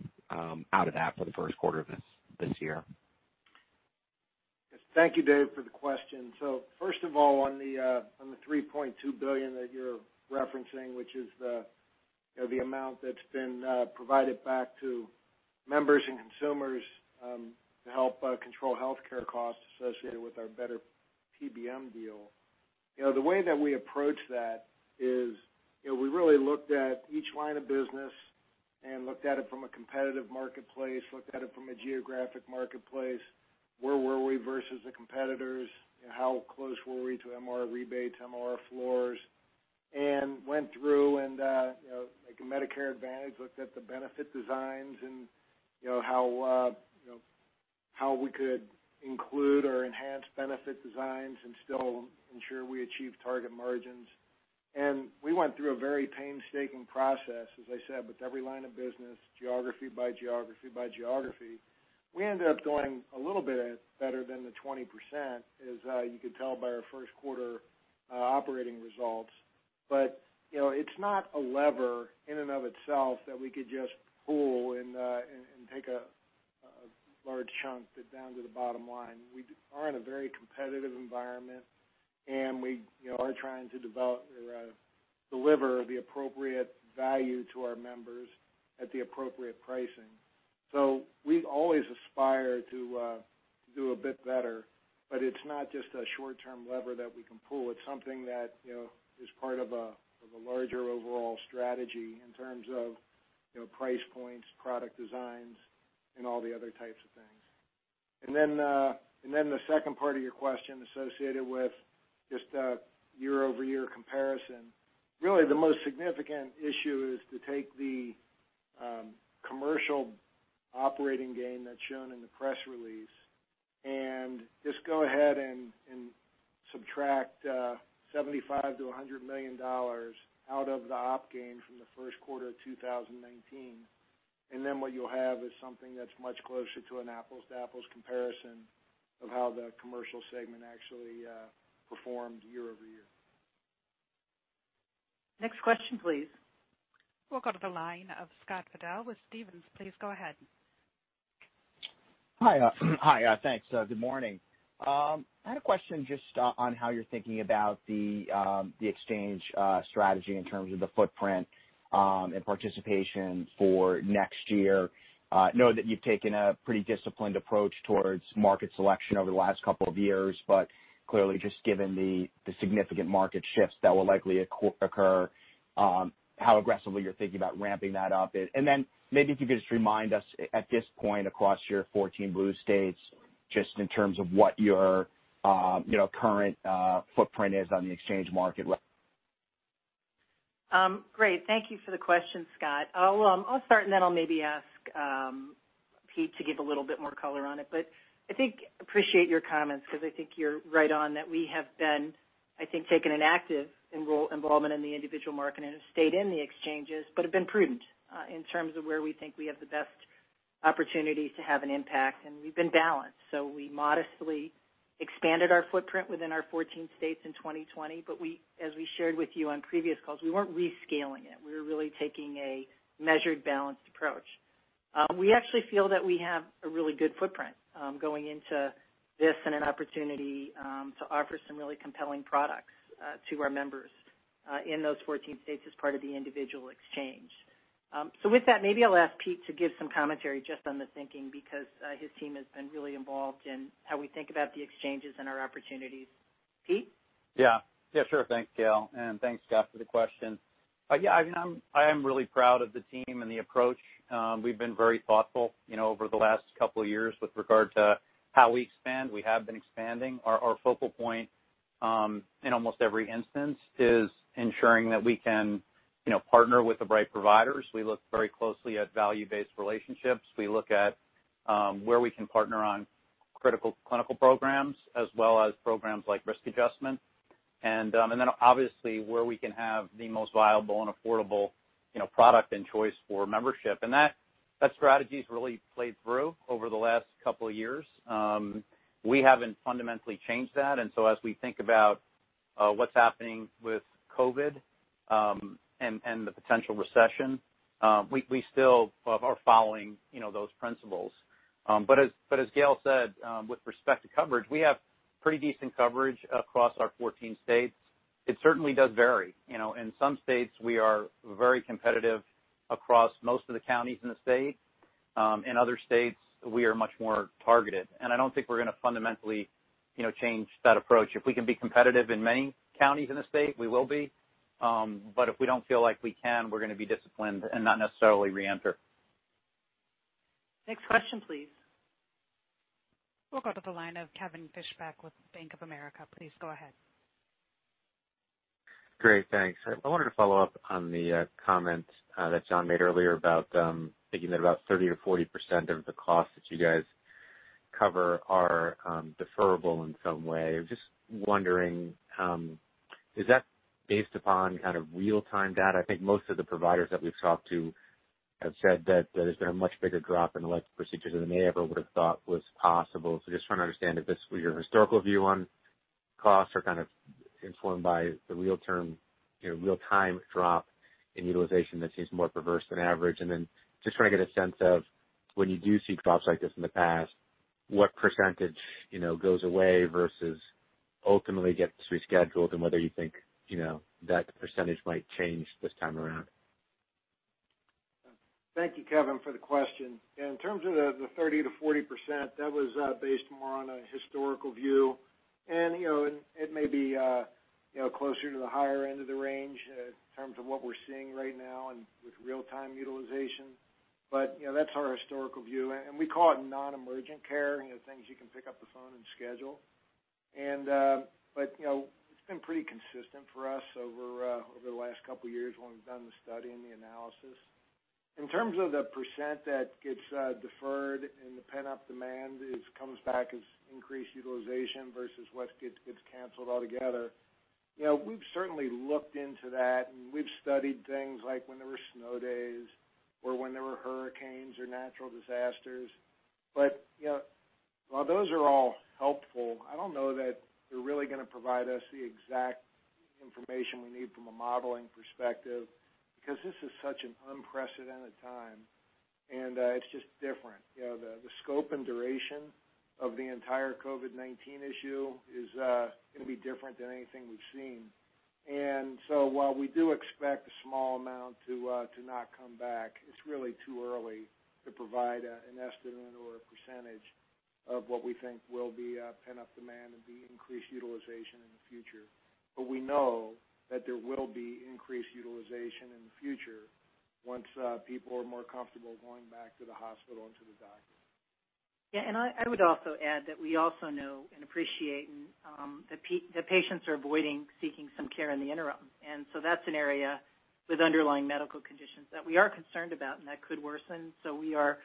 out of that for the first quarter of this year. Thank you, Dave, for the question. First of all, on the $3.2 billion that you're referencing, which is the amount that's been provided back to members and consumers, to help control healthcare costs associated with our better PBM deal. The way that we approach that is we really looked at each line of business and looked at it from a competitive marketplace, looked at it from a geographic marketplace. Where were we versus the competitors? How close were we to MLR rebates, MLR floors? Went through and like Medicare Advantage, looked at the benefit designs and how we could include or enhance benefit designs and still ensure we achieve target margins. We went through a very painstaking process, as I said, with every line of business, geography by geography by geography. We ended up doing a little bit better than the 20%, as you could tell by our first quarter operating results. It's not a lever in and of itself that we could just pull and take a large chunk down to the bottom line. We are in a very competitive environment, and we are trying to deliver the appropriate value to our members at the appropriate pricing. We've always aspired to do a bit better, but it's not just a short-term lever that we can pull. It's something that is part of a larger overall strategy in terms of price points, product designs, and all the other types of things. The second part of your question associated with just a year-over-year comparison. Really, the most significant issue is to take the commercial operating gain that's shown in the press release and just go ahead and subtract $75 million-$100 million out of the op gain from the first quarter of 2019. What you'll have is something that's much closer to an apples to apples comparison of how the commercial segment actually performed year-over-year. Next question, please. We'll go to the line of Scott Fidel with Stephens. Please go ahead. Hi. Thanks. Good morning. I had a question just on how you're thinking about the exchange strategy in terms of the footprint and participation for next year. I know that you've taken a pretty disciplined approach towards market selection over the last couple of years. Clearly, just given the significant market shifts that will likely occur, how aggressively you're thinking about ramping that up. Maybe if you could just remind us at this point across your 14 Blue states, just in terms of what your current footprint is on the exchange market. Great. Thank you for the question, Scott. I'll start, and then I'll maybe ask Pete to give a little bit more color on it. I appreciate your comments because I think you're right on that we have been, I think, taking an active involvement in the individual market and have stayed in the exchanges, but have been prudent in terms of where we think we have the best opportunity to have an impact, and we've been balanced. We modestly expanded our footprint within our 14 states in 2020. As we shared with you on previous calls, we weren't rescaling it. We were really taking a measured, balanced approach. We actually feel that we have a really good footprint going into this and an opportunity to offer some really compelling products to our members in those 14 states as part of the individual exchange. With that, maybe I'll ask Pete to give some commentary just on the thinking, because his team has been really involved in how we think about the exchanges and our opportunities. Pete? Yeah. Sure. Thanks, Gail, and thanks, Scott, for the question. I am really proud of the team and the approach. We've been very thoughtful over the last couple of years with regard to how we expand. We have been expanding. Our focal point in almost every instance is ensuring that we can partner with the right providers. We look very closely at value-based relationships. We look at where we can partner on critical clinical programs as well as programs like risk adjustment, and obviously, where we can have the most viable and affordable product and choice for membership. That strategy's really played through over the last couple of years. We haven't fundamentally changed that, so as we think about what's happening with COVID and the potential recession, we still are following those principles. As Gail said, with respect to coverage, we have pretty decent coverage across our 14 states. It certainly does vary. In some states, we are very competitive across most of the counties in the state. In other states, we are much more targeted. I don't think we're going to fundamentally change that approach. If we can be competitive in many counties in the state, we will be. If we don't feel like we can, we're going to be disciplined and not necessarily reenter. Next question, please. We'll go to the line of Kevin Fischbeck with Bank of America. Please go ahead. Great. Thanks. I wanted to follow up on the comment that John made earlier about thinking that about 30%-40% of the costs that you guys cover are deferrable in some way. I'm just wondering, is that based upon kind of real-time data? I think most of the providers that we've talked to have said that there's been a much bigger drop in elective procedures than they ever would have thought was possible. Just trying to understand if this is what your historical view on costs are kind of informed by the real-time drop in utilization that seems more perverse than average. Just trying to get a sense of when you do see drops like this in the past, what percentage goes away versus ultimately gets rescheduled, and whether you think that percentage might change this time around. Thank you, Kevin, for the question. In terms of the 30%-40%, that was based more on a historical view. It may be closer to the higher end of the range in terms of what we're seeing right now and with real-time utilization. That's our historical view, and we call it non-emergent care, things you can pick up the phone and schedule. It's been pretty consistent for us over the last couple of years when we've done the study and the analysis. In terms of the percent that gets deferred and the pent-up demand comes back as increased utilization versus what gets canceled altogether, we've certainly looked into that, and we've studied things like when there were snow days or when there were hurricanes or natural disasters. While those are all helpful, I don't know that they're really going to provide us the exact information we need from a modeling perspective, because this is such an unprecedented time, and it's just different. The scope and duration of the entire COVID-19 issue is going to be different than anything we've seen. While we do expect a small amount to not come back, it's really too early to provide an estimate or a percentage of what we think will be pent-up demand and the increased utilization in the future. We know that there will be increased utilization in the future once people are more comfortable going back to the hospital and to the doctor. I would also add that we also know and appreciate that patients are avoiding seeking some care in the interim. That's an area with underlying medical conditions that we are concerned about, and that could worsen. We are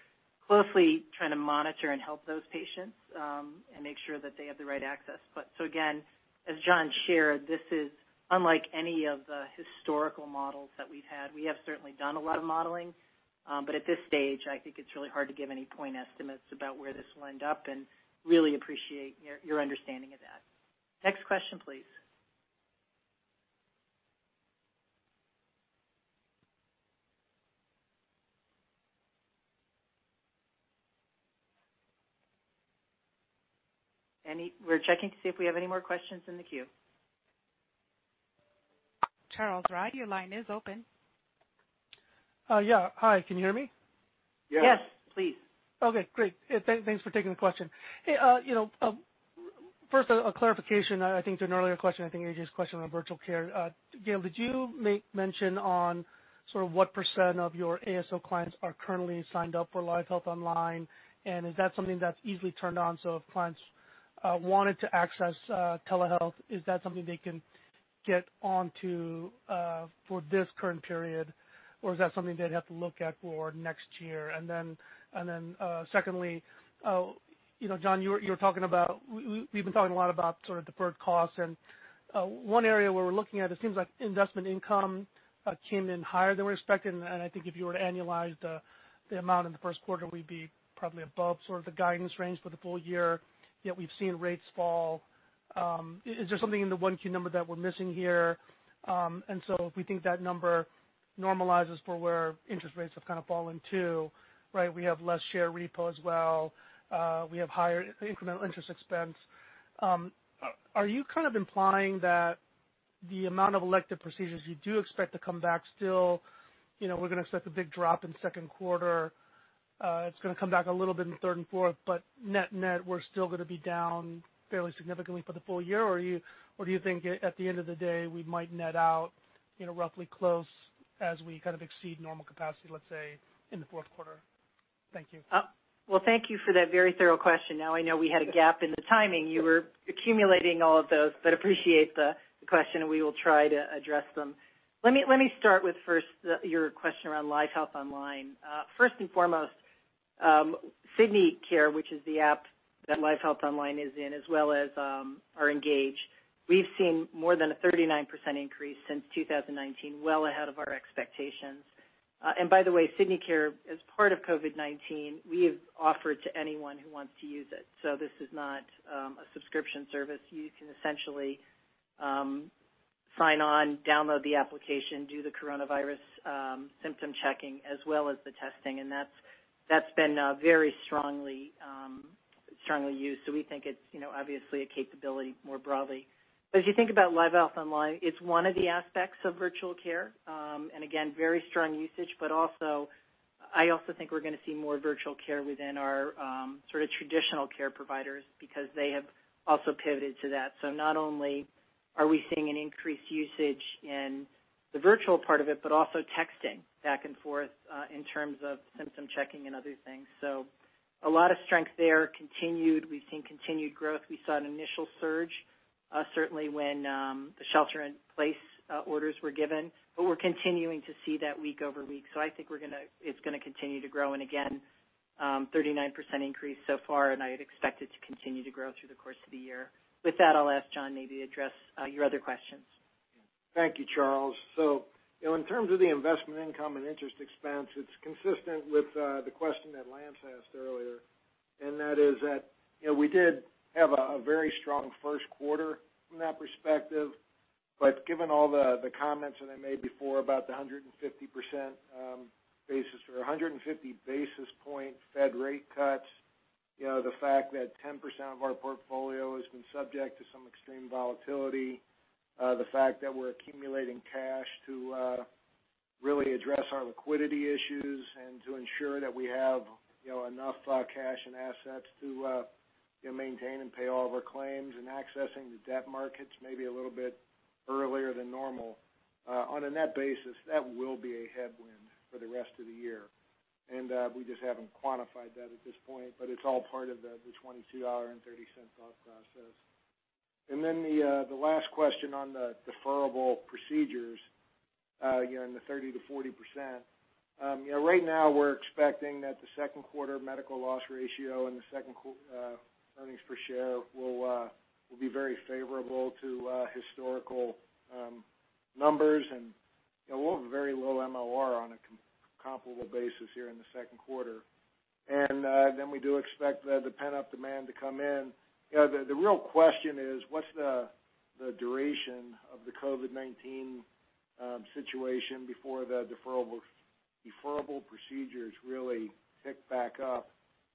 closely trying to monitor and help those patients, and make sure that they have the right access. Again, as John shared, this is unlike any of the historical models that we've had. We have certainly done a lot of modeling. At this stage, I think it's really hard to give any point estimates about where this will end up, and really appreciate your understanding of that. Next question, please. We're checking to see if we have any more questions in the queue. Charles Rhyee, your line is open. Yeah. Hi, can you hear me? Yes, please. Yes. Okay, great. Thanks for taking the question. Hey, first, a clarification, I think, to an earlier question, I think A.J.'s question on virtual care. Gail, did you make mention on sort of what percent of your ASO clients are currently signed up for LiveHealth Online, and is that something that's easily turned on? If clients wanted to access telehealth, is that something they can get onto for this current period, or is that something they'd have to look at for next year? Secondly, John, we've been talking a lot about sort of deferred costs, and one area where we're looking at, it seems like investment income came in higher than we expected, and I think if you were to annualize the amount in the first quarter, we'd be probably above sort of the guidance range for the full year, yet we've seen rates fall. Is there something in the 1Q number that we're missing here? If we think that number normalizes for where interest rates have kind of fallen too, right? We have less share repo as well. We have higher incremental interest expense. Are you kind of implying that the amount of elective procedures you do expect to come back still, we're going to expect a big drop in the second quarter, it's going to come back a little bit in the third and fourth, but net, we're still going to be down fairly significantly for the full year, or do you think at the end of the day, we might net out roughly close as we kind of exceed normal capacity, let's say, in the fourth quarter? Thank you. Well, thank you for that very thorough question. I know we had a gap in the timing. You were accumulating all of those, but appreciate the question, and we will try to address them. Let me start with first your question around LiveHealth Online. First and foremost, Sydney Care, which is the app that LiveHealth Online is in, as well as our Engage, we've seen more than a 39% increase since 2019, well ahead of our expectations. By the way, Sydney Care, as part of COVID-19, we have offered to anyone who wants to use it. This is not a subscription service. You can essentially sign on, download the application, do the coronavirus symptom checking as well as the testing, and that's been very strongly used. We think it's obviously a capability more broadly. As you think about LiveHealth Online, it's one of the aspects of virtual care. Again, very strong usage, but also, I also think we're going to see more virtual care within our sort of traditional care providers because they have also pivoted to that. Not only are we seeing an increased usage in the virtual part of it, but also texting back and forth, in terms of symptom checking and other things. A lot of strength there continued. We've seen continued growth. We saw an initial surge, certainly when the shelter-in-place orders were given, but we're continuing to see that week over week. I think it's going to continue to grow, and again, 39% increase so far, and I'd expect it to continue to grow through the course of the year. With that, I'll ask John maybe to address your other questions. Thank you, Charles. In terms of the investment income and interest expense, it's consistent with the question that Lance asked earlier, and that is that we did have a very strong first quarter from that perspective. Given all the comments that I made before about the 150 basis point Fed rate cuts, the fact that 10% of our portfolio has been subject to some extreme volatility, the fact that we're accumulating cash to really address our liquidity issues and to ensure that we have enough cash and assets to maintain and pay all of our claims and accessing the debt markets maybe a little bit earlier than normal. On a net basis, that will be a headwind for the rest of the year. We just haven't quantified that at this point, but it's all part of the $22.30 thought process. The last question on the deferrable procedures, in the 30%-40%. Right now, we're expecting that the second quarter medical loss ratio and the second quarter earnings per share will be very favorable to historical numbers, and we'll have a very low MLR on a comparable basis here in the second quarter. We do expect the pent-up demand to come in. The real question is, what's the duration of the COVID-19? situation before the deferrable procedures really pick back up.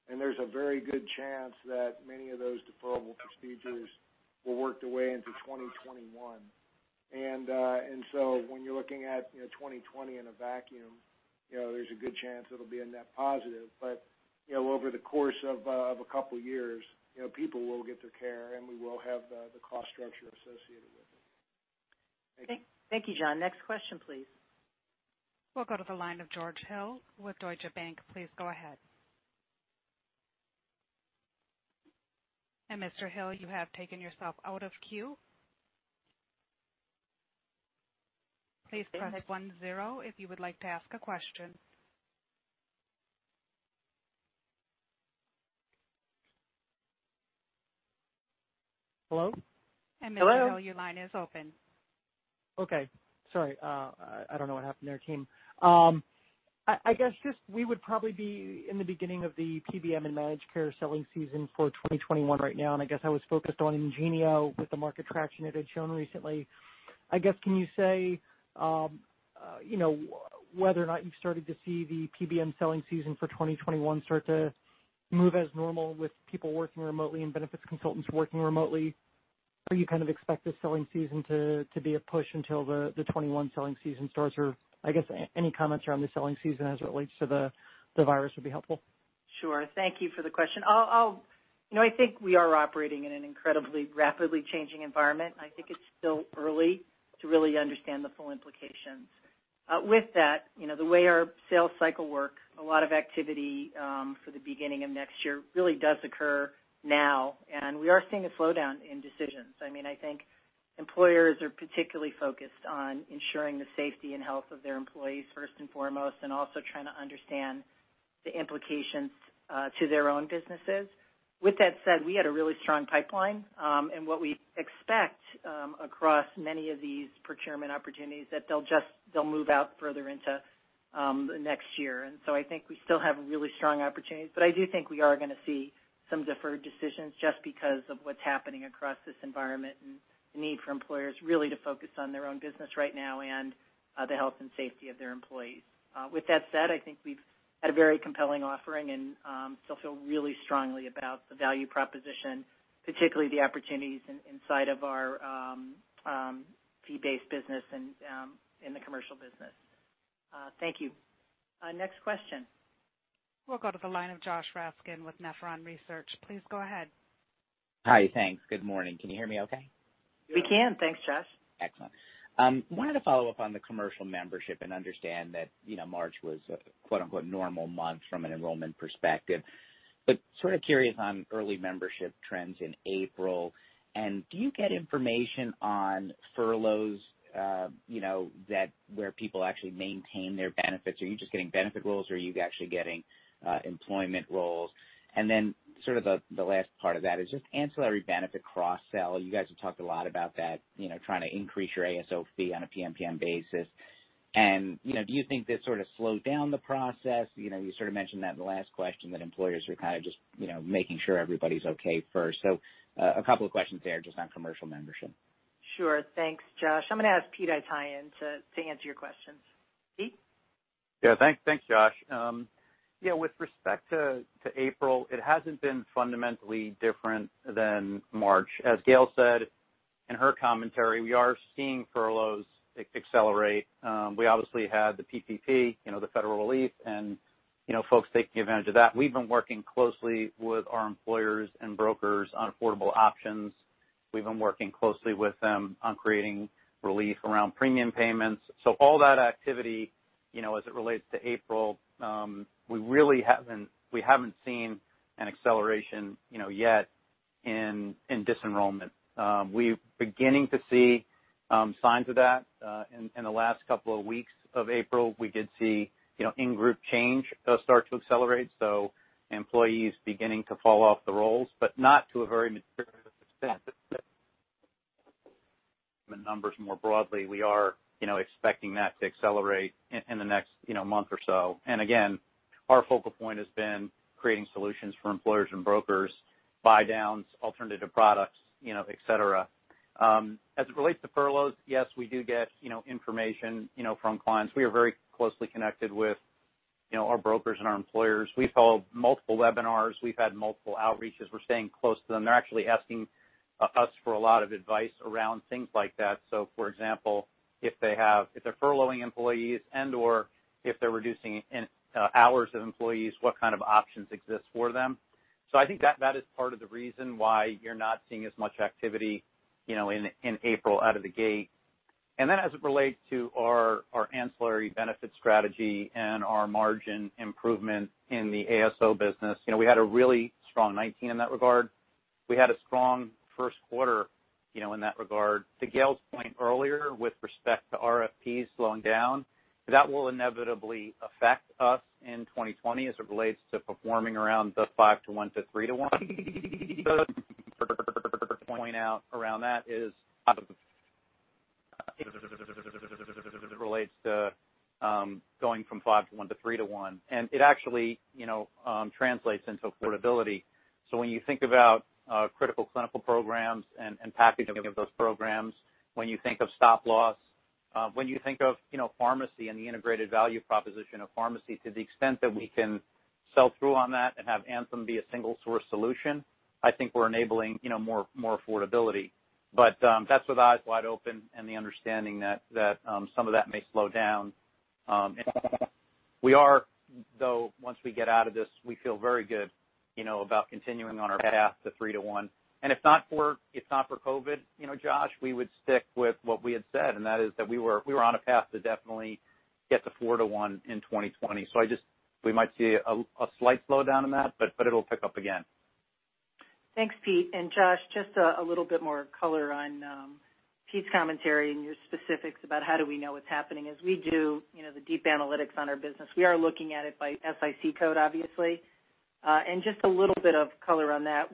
There's a very good chance that many of those deferrable procedures will work their way into 2021. When you're looking at 2020 in a vacuum, there's a good chance it'll be a net positive. Over the course of a couple years, people will get their care, and we will have the cost structure associated with it. Thank you. Thank you, John. Next question, please. We'll go to the line of George Hill with Deutsche Bank. Please go ahead. Mr. Hill, you have taken yourself out of queue. Please press one zero if you would like to ask a question. Hello? Mr. Hill. Hello your line is open. Sorry. I don't know what happened there, team. I guess just we would probably be in the beginning of the PBM and managed care selling season for 2021 right now. I guess I was focused on IngenioRx with the market traction it had shown recently. I guess, can you say whether or not you've started to see the PBM selling season for 2021 start to move as normal with people working remotely and benefits consultants working remotely? Do you kind of expect the selling season to be a push until the 2021 selling season starts, or I guess any comments around the selling season as it relates to the virus would be helpful? Sure. Thank you for the question. I think we are operating in an incredibly rapidly changing environment. I think it's still early to really understand the full implications. With that, the way our sales cycle work, a lot of activity, for the beginning of next year really does occur now, and we are seeing a slowdown in decisions. I think employers are particularly focused on ensuring the safety and health of their employees first and foremost, and also trying to understand the implications to their own businesses. With that said, we had a really strong pipeline, and what we expect across many of these procurement opportunities that they'll move out further into next year. I think we still have really strong opportunities, but I do think we are going to see some deferred decisions just because of what's happening across this environment and the need for employers really to focus on their own business right now and the health and safety of their employees. With that said, I think we've had a very compelling offering and still feel really strongly about the value proposition, particularly the opportunities inside of our fee-based business and in the commercial business. Thank you. Next question. We'll go to the line of Joshua Raskin with Nephron Research. Please go ahead. Hi. Thanks. Good morning. Can you hear me okay? We can. Thanks, Josh. Excellent. Wanted to follow up on the commercial membership and understand that March was a quote-unquote "normal month" from an enrollment perspective. Sort of curious on early membership trends in April. Do you get information on furloughs where people actually maintain their benefits, or are you just getting benefit rolls, or are you actually getting employment rolls? Sort of the last part of that is just ancillary benefit cross-sell. You guys have talked a lot about that, trying to increase your ASO fee on a PMPM basis. Do you think that sort of slowed down the process? You sort of mentioned that in the last question that employers are kind of just making sure everybody's okay first. A couple of questions there just on commercial membership. Sure. Thanks, Josh. I'm going to ask Pete Haytaian to answer your questions. Pete? Yeah. Thanks, Josh. With respect to April, it hasn't been fundamentally different than March. As Gail said in her commentary, we are seeing furloughs accelerate. We obviously had the PPP, the federal relief, and folks taking advantage of that. We've been working closely with our employers and brokers on affordable options. We've been working closely with them on creating relief around premium payments. All that activity, as it relates to April, we haven't seen an acceleration yet in disenrollment. We're beginning to see signs of that. In the last couple of weeks of April, we did see in-group change start to accelerate, so employees beginning to fall off the rolls, but not to a very material extent. The numbers more broadly, we are expecting that to accelerate in the next month or so. Again, our focal point has been creating solutions for employers and brokers, buy-downs, alternative products, et cetera. As it relates to furloughs, yes, we do get information from clients. We are very closely connected with our brokers and our employers. We followed multiple webinars. We've had multiple outreaches. We're staying close to them. They're actually asking us for a lot of advice around things like that. For example, if they're furloughing employees and/or if they're reducing hours of employees, what kind of options exist for them? I think that is part of the reason why you're not seeing as much activity in April out of the gate. As it relates to our ancillary benefit strategy and our margin improvement in the ASO business, we had a really strong 2019 in that regard. We had a strong first quarter in that regard. To Gail's point earlier with respect to RFPs slowing down, that will inevitably affect us in 2020 as it relates to performing around the 5:1 to 3:1. Point out around that is as it relates to going from 5:1 to 3:1. It actually translates into affordability. When you think about critical clinical programs and packaging of those programs, when you think of stop loss, when you think of pharmacy and the integrated value proposition of pharmacy to the extent that we can sell through on that and have Anthem be a single source solution, I think we're enabling more affordability. That's with eyes wide open and the understanding that some of that may slow down. We are, though, once we get out of this, we feel very good about continuing on our path to 3:1. If not for COVID, Josh, we would stick with what we had said, and that is that we were on a path to definitely get to 4:1 in 2020. We might see a slight slowdown in that, but it'll pick up again. Thanks, Pete, and Josh, just a little bit more color on Pete's commentary and your specifics about how do we know what's happening is we do the deep analytics on our business. We are looking at it by SIC code, obviously. Just a little bit of color on that.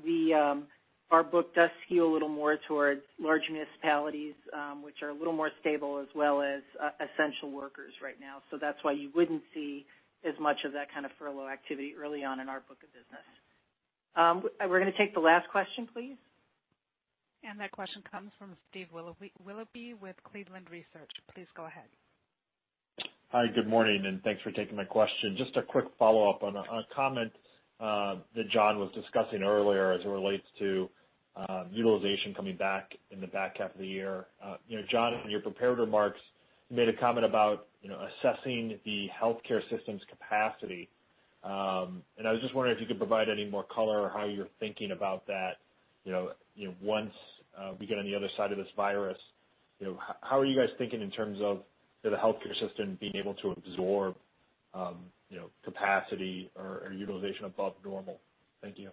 Our book does skew a little more towards large municipalities, which are a little more stable, as well as essential workers right now. That's why you wouldn't see as much of that kind of furlough activity early on in our book of business. We're going to take the last question, please. That question comes from Steve Willoughby with Cleveland Research. Please go ahead. Hi, good morning. Thanks for taking my question. Just a quick follow-up on a comment that John was discussing earlier as it relates to utilization coming back in the back half of the year. John, in your prepared remarks, you made a comment about assessing the healthcare system's capacity. I was just wondering if you could provide any more color on how you're thinking about that. Once we get on the other side of this virus, how are you guys thinking in terms of the healthcare system being able to absorb capacity or utilization above normal? Thank you.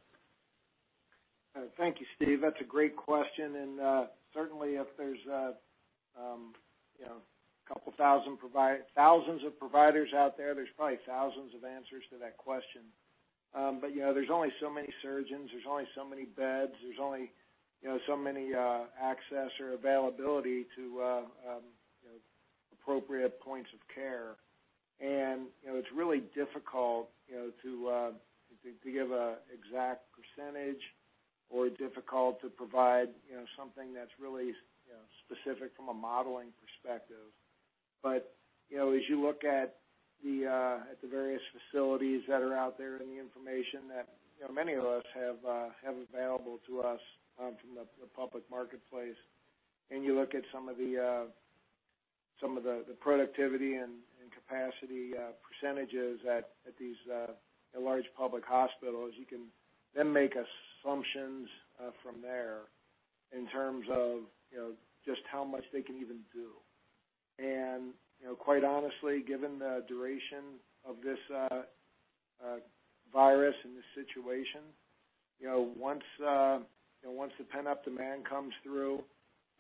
Thank you, Steve. That's a great question, and certainly if there's thousands of providers out there's probably thousands of answers to that question. There's only so many surgeons, there's only so many beds, there's only so many access or availability to appropriate points of care. It's really difficult to give an exact percentage or difficult to provide something that's really specific from a modeling perspective. As you look at the various facilities that are out there and the information that many of us have available to us from the public marketplace, and you look at some of the productivity and capacity percentages at these large public hospitals, you can then make assumptions from there in terms of just how much they can even do. Quite honestly, given the duration of this virus and this situation, once the pent-up demand comes through,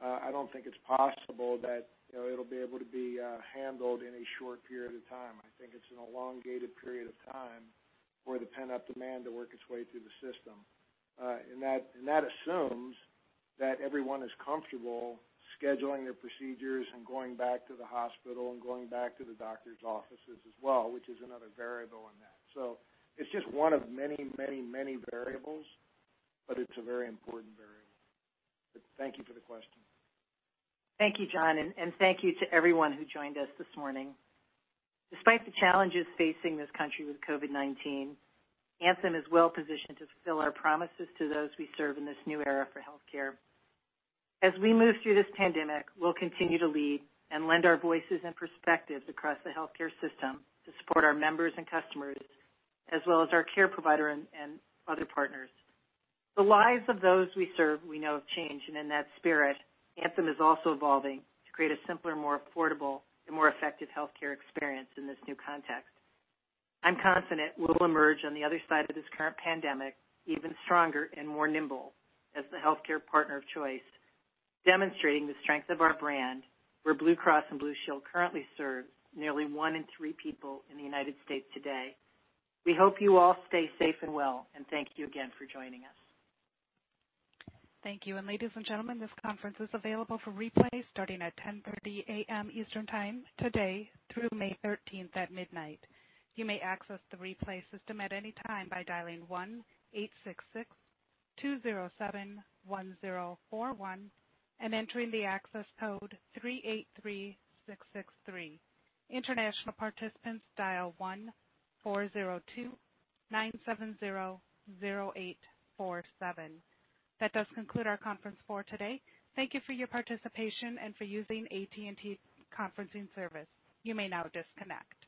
I don't think it's possible that it'll be able to be handled in a short period of time. I think it's an elongated period of time for the pent-up demand to work its way through the system. That assumes that everyone is comfortable scheduling their procedures and going back to the hospital and going back to the doctor's offices as well, which is another variable in that. It's just one of many, many, many variables, but it's a very important variable. Thank you for the question. Thank you, John. Thank you to everyone who joined us this morning. Despite the challenges facing this country with COVID-19, Anthem is well positioned to fulfill our promises to those we serve in this new era for healthcare. As we move through this pandemic, we'll continue to lead and lend our voices and perspectives across the healthcare system to support our members and customers, as well as our care provider and other partners. The lives of those we serve we know have changed. In that spirit, Anthem is also evolving to create a simpler, more affordable, and more effective healthcare experience in this new context. I'm confident we'll emerge on the other side of this current pandemic, even stronger and nimbler as the healthcare partner of choice, demonstrating the strength of our brand, where Blue Cross and Blue Shield currently serve nearly one in three people in the United States today. We hope you all stay safe and well, and thank you again for joining us. Thank you. Ladies and gentlemen, this conference is available for replay starting at 10:30 A.M. Eastern Time today through May 13th at midnight. You may access the replay system at any time by dialing 1-866-207-1041 and entering the access code 383663. International participants dial 1-402-970-0847. That does conclude our conference for today. Thank you for your participation and for using AT&T conferencing service. You may now disconnect.